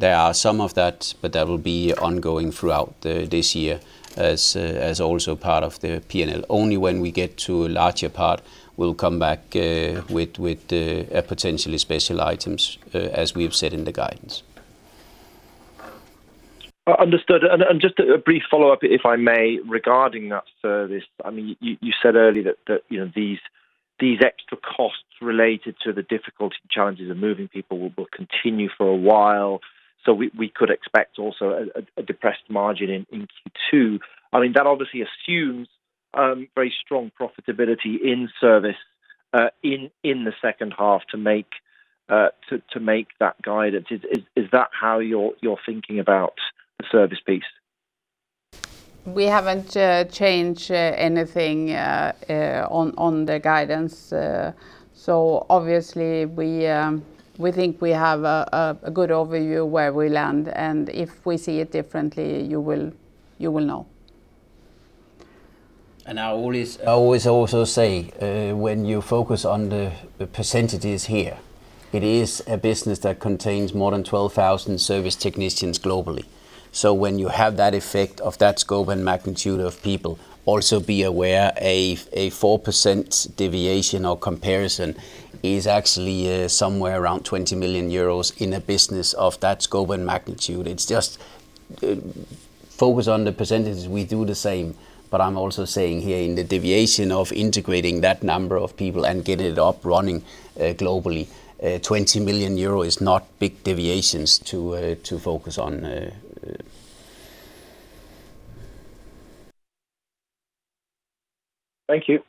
There are some of that, but that will be ongoing throughout this year as also part of the P&L. Only when we get to a larger part, we'll come back with potentially special items, as we have said in the guidance. Understood. Just a brief follow-up, if I may, regarding that service. You said earlier that these extra costs related to the difficulty and challenges of moving people will continue for a while, so we could expect also a depressed margin in Q2. That obviously assumes very strong profitability in service in the second half to make that guidance. Is that how you're thinking about the service piece? We haven't changed anything on the guidance. Obviously we think we have a good overview where we land, and if we see it differently, you will know. I always also say, when you focus on the percentages here, it is a business that contains more than 12,000 service technicians globally. When you have that effect of that scope and magnitude of people, also be aware a 4% deviation or comparison is actually somewhere around 20 million euros in a business of that scope and magnitude. It's just focus on the percentages, we do the same. I'm also saying here in the deviation of integrating that number of people and get it up running globally, 20 million euro is not big deviations to focus on. Thank you.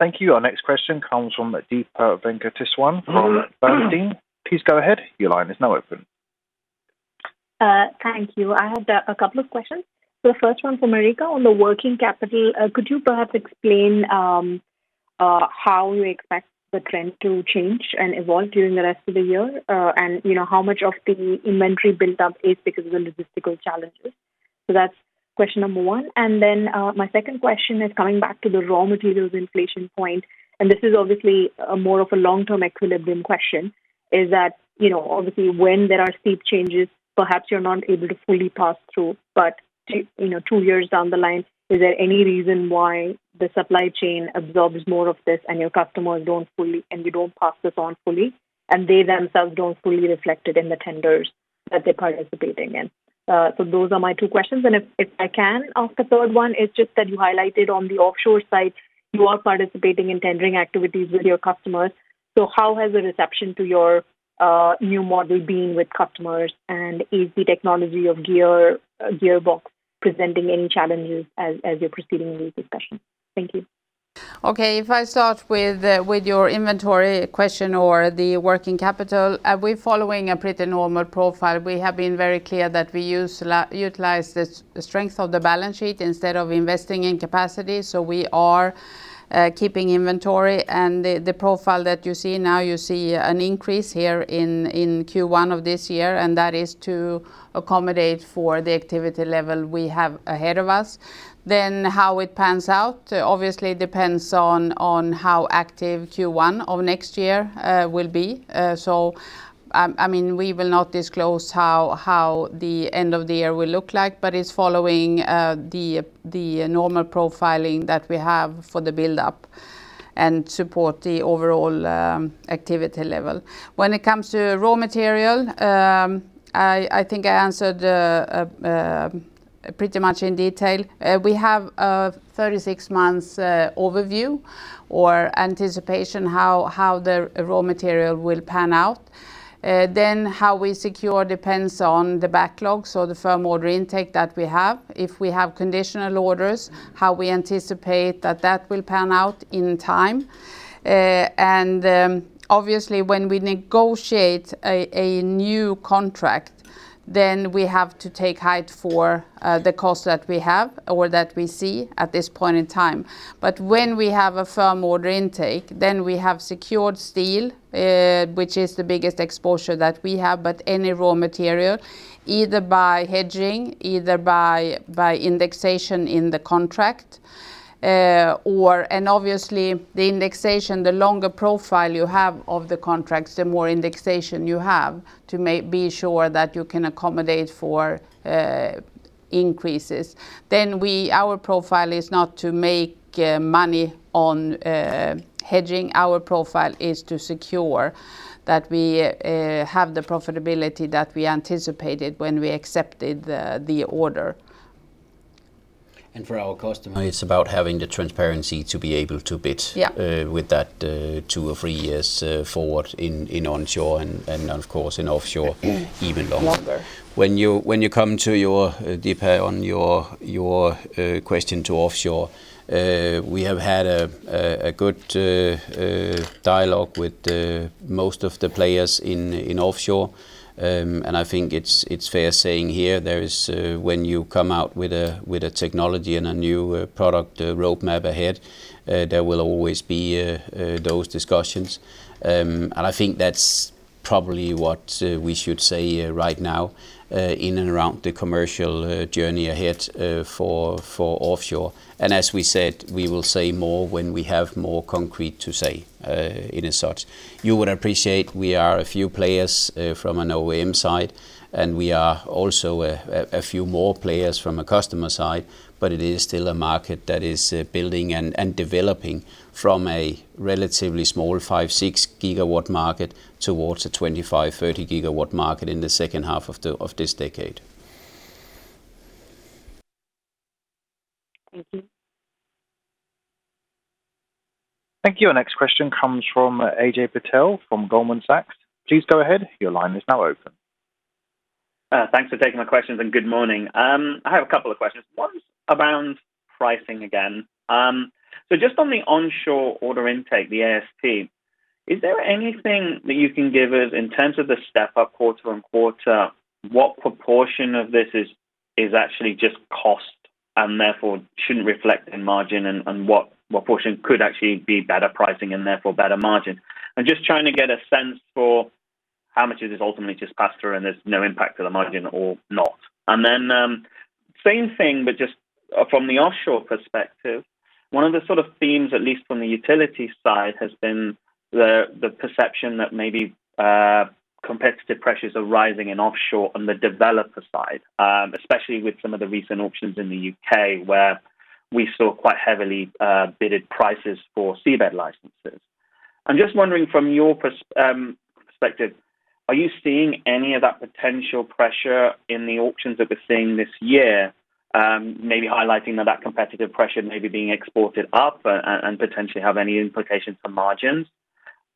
Thank you. Our next question comes from Deepa Venkateswaran from Bernstein. Please go ahead. Thank you. I had a couple of questions. The first one for Marika on the working capital. Could you perhaps explain how you expect the trend to change and evolve during the rest of the year? How much of the inventory built up is because of the logistical challenges? That's question number one. My second question is coming back to the raw materials inflation point, and this is obviously more of a long-term equilibrium question, is that, obviously when there are steep changes, perhaps you're not able to fully pass through. Two years down the line, is there any reason why the supply chain absorbs more of this and your customers don't fully, and you don't pass this on fully, and they themselves don't fully reflect it in the tenders that they're participating in? Those are my two questions. If I can ask a third one, it's just that you highlighted on the offshore side, you are participating in tendering activities with your customers. How has the reception to your new model been with customers, and is the technology of gearbox presenting any challenges as you're proceeding in these discussions? Thank you. Okay. If I start with your inventory question or the working capital, we're following a pretty normal profile. We have been very clear that we utilize the strength of the balance sheet instead of investing in capacity. We are keeping inventory, and the profile that you see now, you see an increase here in Q1 of this year, and that is to accommodate for the activity level we have ahead of us. How it pans out, obviously depends on how active Q1 of next year will be. We will not disclose how the end of the year will look like, but it's following the normal profiling that we have for the buildup and support the overall activity level. When it comes to raw material, I think I answered pretty much in detail. We have a 36 months overview or anticipation how the raw material will pan out. How we secure depends on the backlogs or the firm order intake that we have. If we have conditional orders, how we anticipate that that will pan out in time. Obviously, when we negotiate a new contract, we have to take height for the cost that we have or that we see at this point in time. When we have a firm order intake, we have secured steel, which is the biggest exposure that we have, but any raw material, either by hedging, either by in the contract. Obviously the indexation, the longer profile you have of the contracts, the more indexation you have to be sure that you can accommodate for increases, our profile is not to make money on hedging. Our profile is to secure that we have the profitability that we anticipated when we accepted the order. For our customer, it is about having the transparency to be able to bid. Yeah. With that two or three years forward in onshore and of course in offshore even longer. Longer. When you come to Deepa, on your question to offshore, we have had a good dialogue with most of the players in offshore, I think it's fair saying here, when you come out with a technology and a new product roadmap ahead, there will always be those discussions. I think that's probably what we should say right now, in and around the commercial journey ahead for offshore. As we said, we will say more when we have more concrete to say in as such. You would appreciate we are a few players from an OEM side, and we are also a few more players from a customer side, but it is still a market that is building and developing from a relatively small five, 6 GW market towards a 25, 30 GW market in the second half of this decade. Thank you. Our next question comes from Ajay Patel from Goldman Sachs. Please go ahead. Thanks for taking my questions and good morning. I have a couple of questions. One's around pricing again. Just on the onshore order intake, the ASP, is there anything that you can give us in terms of the step-up quarter-on-quarter, what proportion of this is actually just cost and therefore shouldn't reflect in margin, and what proportion could actually be better pricing and therefore better margin? I'm just trying to get a sense for how much of this is ultimately just pass-through and there's no impact to the margin or not. Same thing, but just from the offshore perspective, one of the sort of themes, at least from the utility side, has been the perception that maybe competitive pressures are rising in offshore on the developer side, especially with some of the recent auctions in the U.K. where we saw quite heavily bidded prices for seabed licenses. I'm just wondering from your perspective, are you seeing any of that potential pressure in the auctions that we're seeing this year, maybe highlighting that competitive pressure maybe being exported up, and potentially have any implications for margins?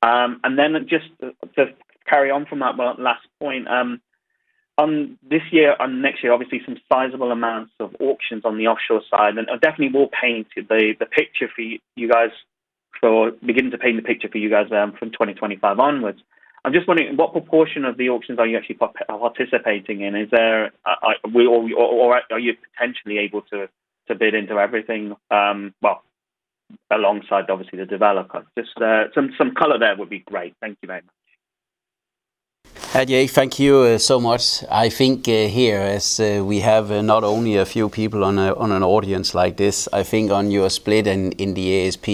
Just to carry on from that last point, this year and next year, obviously some sizable amounts of auctions on the offshore side and are definitely beginning to paint the picture for you guys from 2025 onwards. I'm just wondering, what proportion of the auctions are you actually participating in? Are you potentially able to bid into everything, well, alongside obviously the developer? Just some color there would be great. Thank you very much. Ajay, thank you so much. I think here, as we have not only a few people on an audience like this, I think on your split and in the ASP,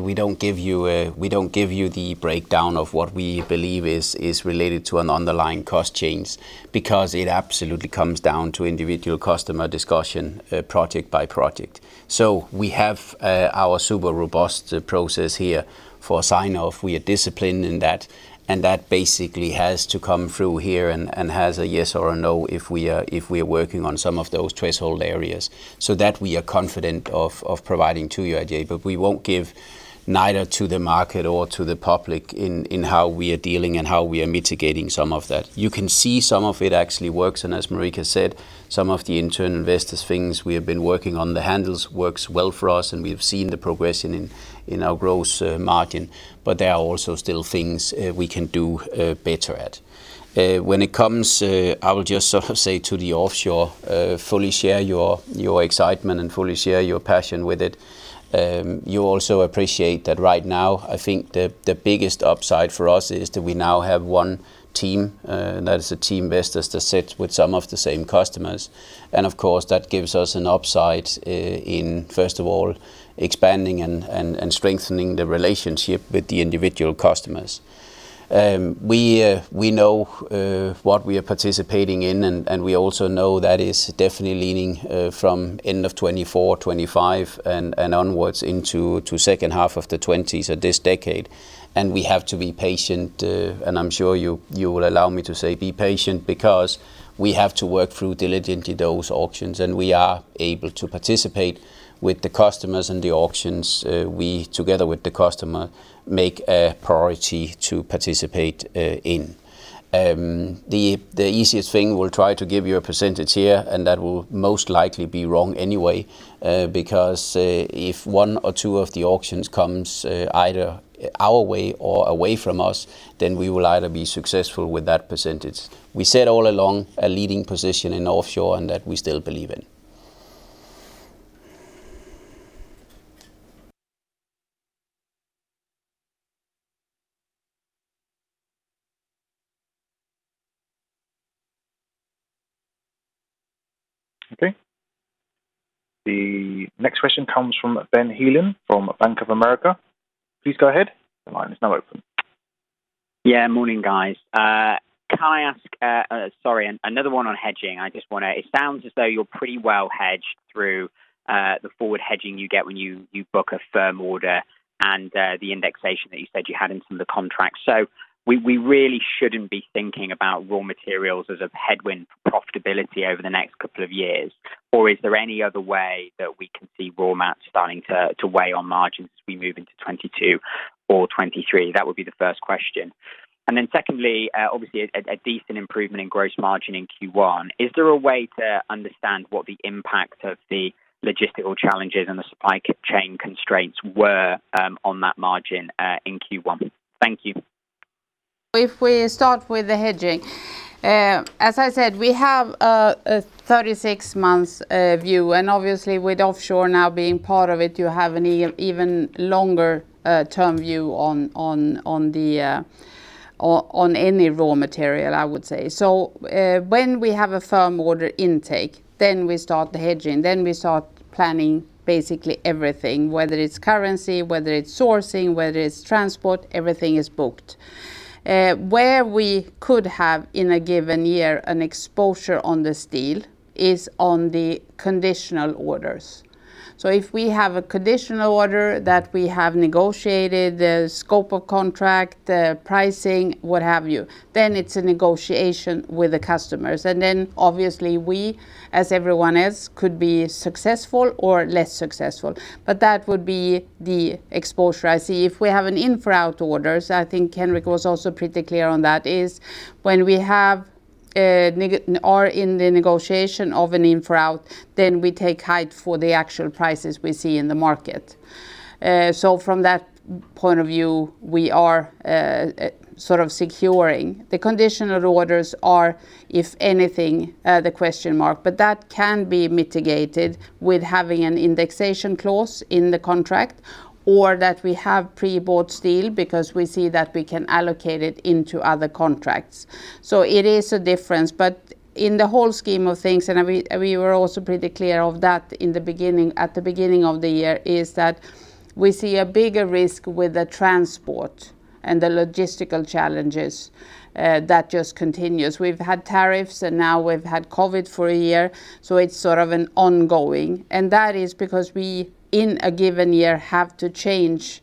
we don't give you the breakdown of what we believe is related to an underlying cost change, because it absolutely comes down to individual customer discussion, project by project. We have our super robust process here for sign-off. We are disciplined in that, and that basically has to come through here and has a yes or a no if we are working on some of those threshold areas. That we are confident of providing to you, Ajay, but we won't give neither to the market or to the public in how we are dealing and how we are mitigating some of that. You can see some of it actually works. As Marika said, some of the internal Vestas things we have been working on, the handles works well for us. We have seen the progression in our gross margin. There are also still things we can do better at. When it comes, I will just sort of say to the offshore, fully share your excitement and fully share your passion with it. You also appreciate that right now, I think the biggest upside for us is that we now have one team. That is a team, Vestas, that sits with some of the same customers. Of course, that gives us an upside in, first of all, expanding and strengthening the relationship with the individual customers. We know what we are participating in, and we also know that is definitely leaning from end of 2024, 2025, and onwards into second half of the 20s at this decade. We have to be patient, and I'm sure you will allow me to say be patient, because we have to work through diligently those auctions, and we are able to participate with the customers and the auctions we, together with the customer, make a priority to participate in. The easiest thing, we'll try to give you a percentage here, and that will most likely be wrong anyway. If one or two of the auctions comes either our way or away from us, then we will either be successful with that percentage. We said all along a leading position in offshore, and that we still believe in. Okay. The next question comes from Ben Heelan from Bank of America. Please go ahead. The line is now open. Yeah, morning, guys. Can I ask, sorry, another one on hedging. It sounds as though you're pretty well hedged through the forward hedging you get when you book a firm order and the indexation that you said you had in some of the contracts. We really shouldn't be thinking about raw materials as a headwind for profitability over the next couple of years, or is there any other way that we can see raw mats starting to weigh on margins as we move into 2022 or 2023? That would be the first question. Secondly, obviously a decent improvement in gross margin in Q1. Is there a way to understand what the impact of the logistical challenges and the supply chain constraints were on that margin in Q1? Thank you. If we start with the hedging, as I said, we have a 36 months view, and obviously with offshore now being part of it, you have an even longer term view on any raw material, I would say. When we have a firm order intake, then we start the hedging, then we start planning basically everything, whether it's currency, whether it's sourcing, whether it's transport, everything is booked. Where we could have, in a given year, an exposure on the steel is on the conditional orders. If we have a conditional order that we have negotiated, the scope of contract, the pricing, what have you, then it's a negotiation with the customers. Obviously we, as everyone else, could be successful or less successful. That would be the exposure I see. If we have an in for out orders, I think Henrik was also pretty clear on that, is when we are in the negotiation of an in for out, we take height for the actual prices we see in the market. From that point of view, we are sort of securing. The conditional orders are, if anything, the question mark. That can be mitigated with having an indexation clause in the contract or that we have pre-bought steel because we see that we can allocate it into other contracts. It is a difference. In the whole scheme of things, and we were also pretty clear of that at the beginning of the year, is that we see a bigger risk with the transport and the logistical challenges, that just continues. We've had tariffs, and now we've had COVID for a year, so it's sort of an ongoing. That is because we, in a given year, have to change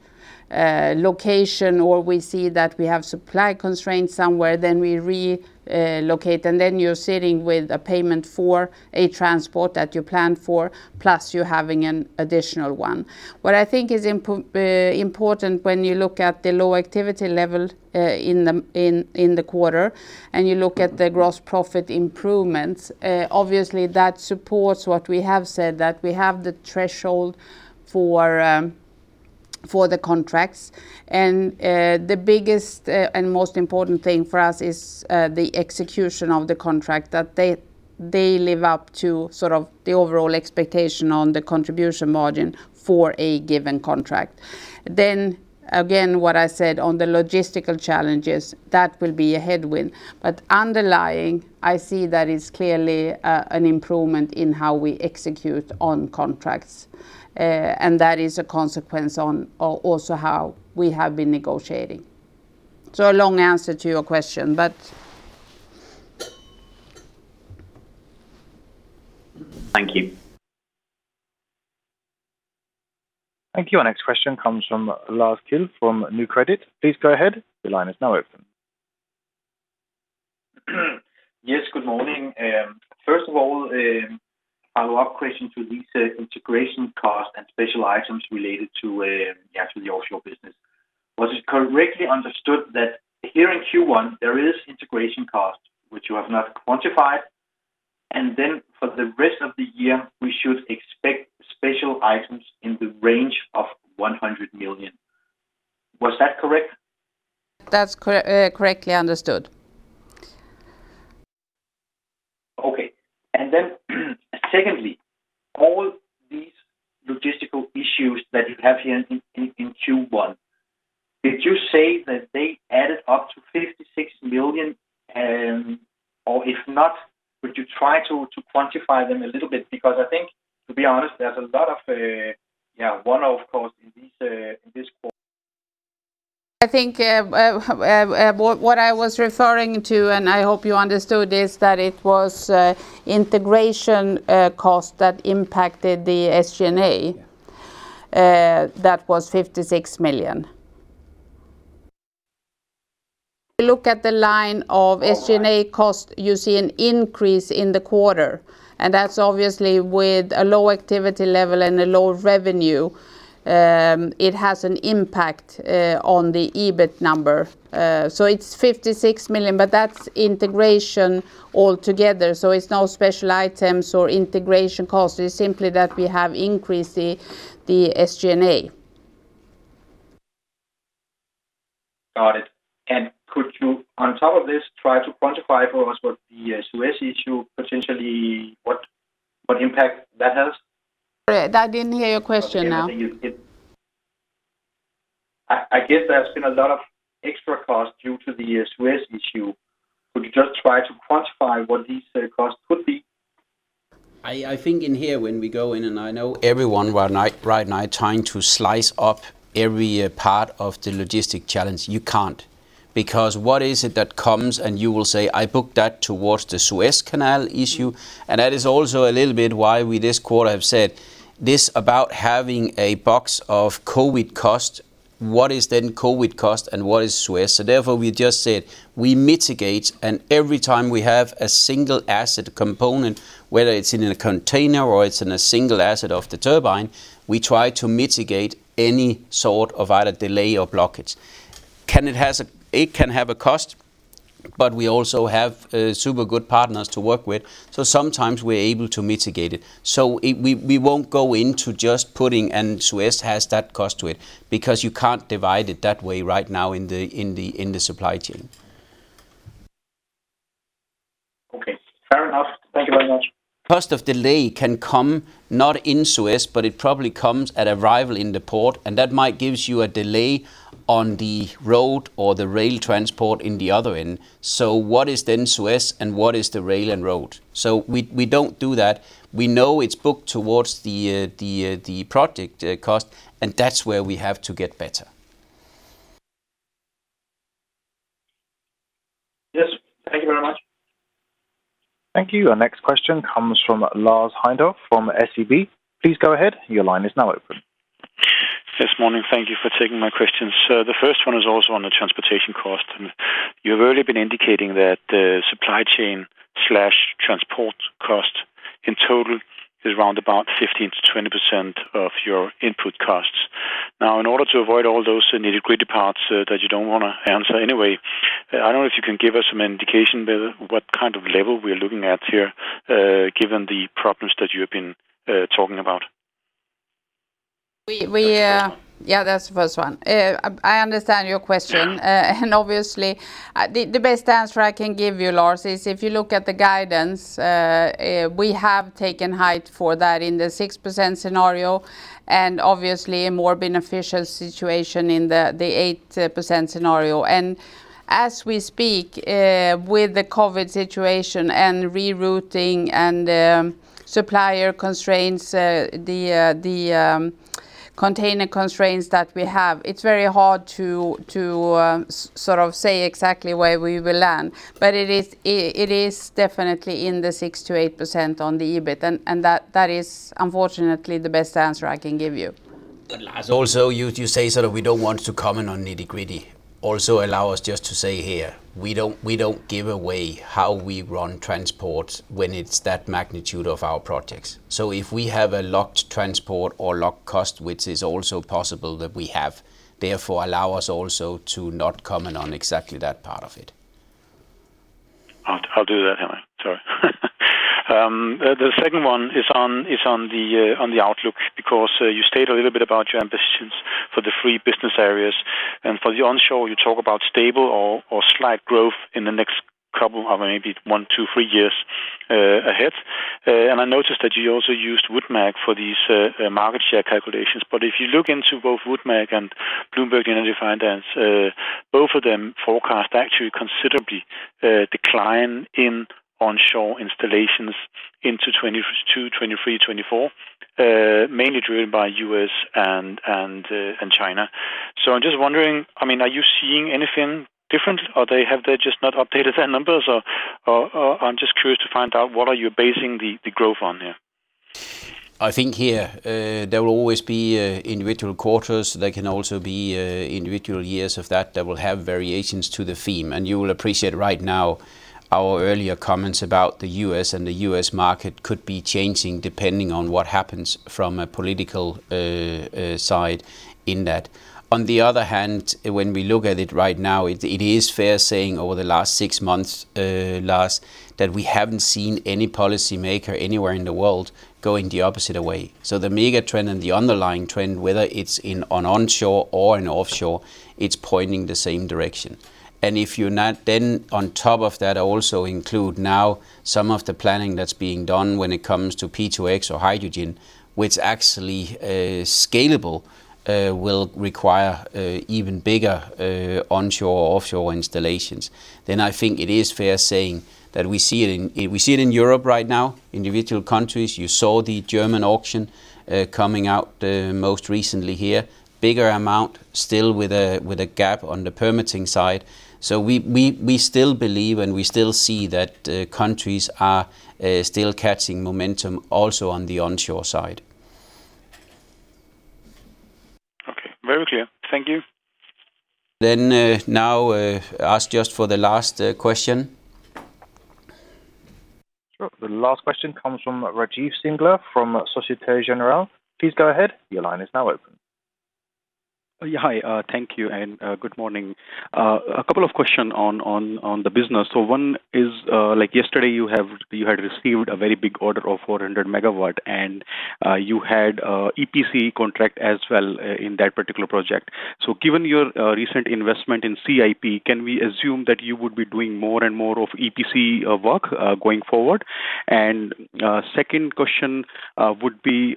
location, or we see that we have supply constraints somewhere, then we relocate, and then you're sitting with a payment for a transport that you planned for, plus you're having an additional one. What I think is important when you look at the low activity level in the quarter and you look at the gross profit improvements, obviously that supports what we have said, that we have the threshold for the contracts. The biggest and most important thing for us is the execution of the contract, that they live up to the overall expectation on the contribution margin for a given contract. Again, what I said on the logistical challenges, that will be a headwind. Underlying, I see that it's clearly an improvement in how we execute on contracts. That is a consequence on also how we have been negotiating. long answer to your question. Thank you. Thank you. Our next question comes from Klaus from Nykredit. Please go ahead. Your line is now open. Yes, good morning. First of all, a follow-up question to these integration costs and special items related to the offshore business. Was it correctly understood that here in Q1, there is integration cost, which you have not quantified, and then for the rest of the year, we should expect special items in the range of 100 million? Was that correct? That's correctly understood. Okay. Secondly, all these logistical issues that you have here in Q1, did you say that they added up to 56 million? If not, would you try to quantify them a little bit? I think, to be honest, there's a lot of one-off costs in this quarter. I think what I was referring to, and I hope you understood this, that it was integration cost that impacted the SG&A. Yeah. That was EUR 56 million. If you look at the line of SG&A cost, you see an increase in the quarter, that's obviously with a low activity level and a low revenue. It has an impact on the EBIT number. It's 56 million, that's integration altogether. It's no special items or integration cost. It's simply that we have increased the SG&A. Got it. Could you, on top of this, try to quantify for us what the Suez issue potentially, what impact that has? Sorry, I didn't hear your question now. I guess there's been a lot of extra costs due to the Suez issue. Could you just try to quantify what these costs could be? I think in here when we go in, and I know everyone right now trying to slice up every part of the logistic challenge. You can't, because what is it that comes and you will say, "I booked that towards the Suez Canal issue." That is also a little bit why we this quarter have said this about having a box of COVID cost. What is then COVID cost and what is Suez? Therefore, we just said we mitigate, and every time we have a single asset component, whether it's in a container or it's in a single asset of the turbine, we try to mitigate any sort of either delay or blockage. It can have a cost, but we also have super good partners to work with, so sometimes we're able to mitigate it. We won't go into just putting, and Suez has that cost to it, because you can't divide it that way right now in the supply chain. Okay, fair enough. Thank you very much. Cost of delay can come not in Suez, but it probably comes at arrival in the port, and that might give you a delay on the road or the rail transport in the other end. What is then Suez and what is the rail and road? We don't do that. We know it's booked towards the project cost, and that's where we have to get better. Yes. Thank you very much. Thank you. Our next question comes from Lars Heindorff from SEB. Please go ahead. Yes, morning. Thank you for taking my questions. The first one is also on the transportation cost, and you've already been indicating that the supply chain/transport cost in total is around about 15%-20% of your input costs. In order to avoid all those nitty-gritty parts that you don't want to answer anyway, I don't know if you can give us some indication, but, what kind of level we're looking at here, given the problems that you've been talking about? We. That's the first one. Yeah, that's the first one. I understand your question. Yeah. Obviously, the best answer I can give you, Lars, is if you look at the guidance, we have taken height for that in the 6% scenario, and obviously a more beneficial situation in the 8% scenario. As we speak, with the COVID situation and rerouting and supplier constraints, the container constraints that we have, it's very hard to sort of say exactly where we will land. It is definitely in the 6%-8% on the EBIT, and that is unfortunately the best answer I can give you. Lars, you say sort of we don't want to comment on nitty-gritty. Allow us just to say here, we don't give away how we run transport when it's that magnitude of our projects. If we have a locked transport or locked cost, which is also possible that we have, allow us to not comment on exactly that part of it. I'll do that, Henrik. Sorry. The second one is on the outlook, because you stated a little bit about your ambitions for the three business areas. For the onshore, you talk about stable or slight growth in the next couple or maybe one, two, three years ahead. I noticed that you also used WoodMac for these market share calculations. If you look into both WoodMac and Bloomberg Energy Finance, both of them forecast actually considerably decline in onshore installations into 2022, 2023, 2024, mainly driven by U.S. and China. I'm just wondering, are you seeing anything different? Have they just not updated their numbers? I'm just curious to find out what are you basing the growth on here? I think here, there will always be individual quarters. There can also be individual years of that that will have variations to the theme. You will appreciate right now our earlier comments about the U.S., and the U.S. market could be changing depending on what happens from a political side in that. On the other hand, when we look at it right now, it is fair saying over the last six months, Lars, that we haven't seen any policy maker anywhere in the world going the opposite way. The megatrend and the underlying trend, whether it's in an onshore or an offshore, it's pointing the same direction. If you now then on top of that also include now some of the planning that's being done when it comes to P2X or hydrogen, which actually is scalable, will require even bigger onshore or offshore installations. I think it is fair saying that we see it in Europe right now, individual countries. You saw the German auction coming out most recently here. Bigger amount, still with a gap on the permitting side. We still believe and we still see that countries are still catching momentum also on the onshore side. Okay. Very clear. Thank you. Now, ask just for the last question. Sure. The last question comes from Rajiv Singla from Societe Generale. Please go ahead. Your line is now open. Yeah. Hi. Thank you. Good morning. A couple of questions on the business. One is, yesterday you had received a very big order of 400 MW, and you had EPC contract as well in that particular project. Given your recent investment in CIP, can we assume that you would be doing more and more of EPC work going forward? Second question would be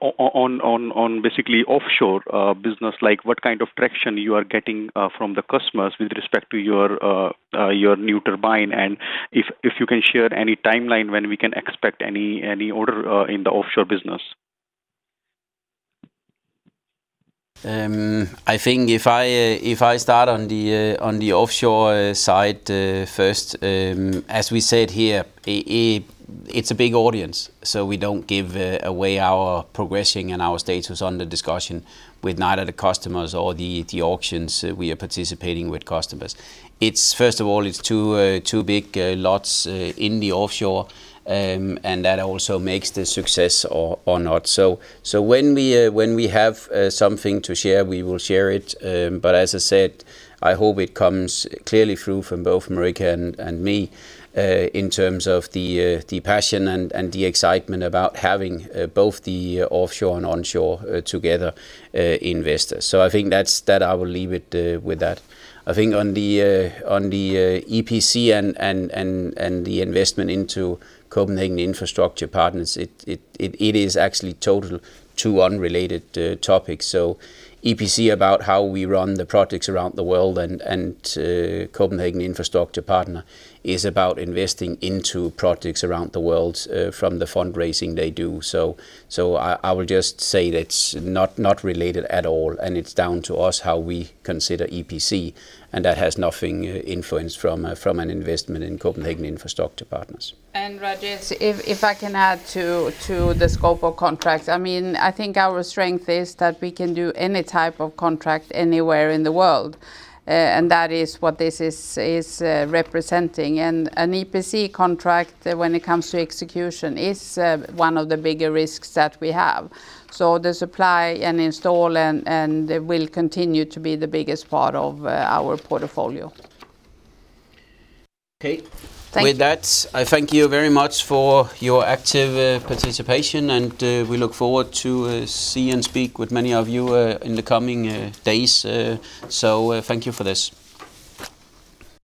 on basically offshore business, what kind of traction you are getting from the customers with respect to your new turbine, and if you can share any timeline when we can expect any order in the offshore business? I think if I start on the offshore side first, as we said here, it's a big audience, we don't give away our progression and our status on the discussion with neither the customers or the auctions we are participating with customers. First of all, it's two big lots in the offshore, that also makes the success or not. When we have something to share, we will share it. As I said, I hope it comes clearly through from both Marika and me, in terms of the passion and the excitement about having both the offshore and onshore together Vestas. I think that I will leave it with that. I think on the EPC and the investment into Copenhagen Infrastructure Partners, it is actually total two unrelated topics. EPC about how we run the projects around the world and Copenhagen Infrastructure Partners is about investing into projects around the world from the fundraising they do. I will just say that's not related at all, and it's down to us how we consider EPC, and that has nothing influence from an investment in Copenhagen Infrastructure Partners. Rajiv, if I can add to the scope of contracts. I think our strength is that we can do any type of contract anywhere in the world. That is what this is representing. An EPC contract when it comes to execution is one of the bigger risks that we have. The supply and install will continue to be the biggest part of our portfolio. Okay. Thank you. With that, I thank you very much for your active participation, and we look forward to see and speak with many of you in the coming days. Thank you for this.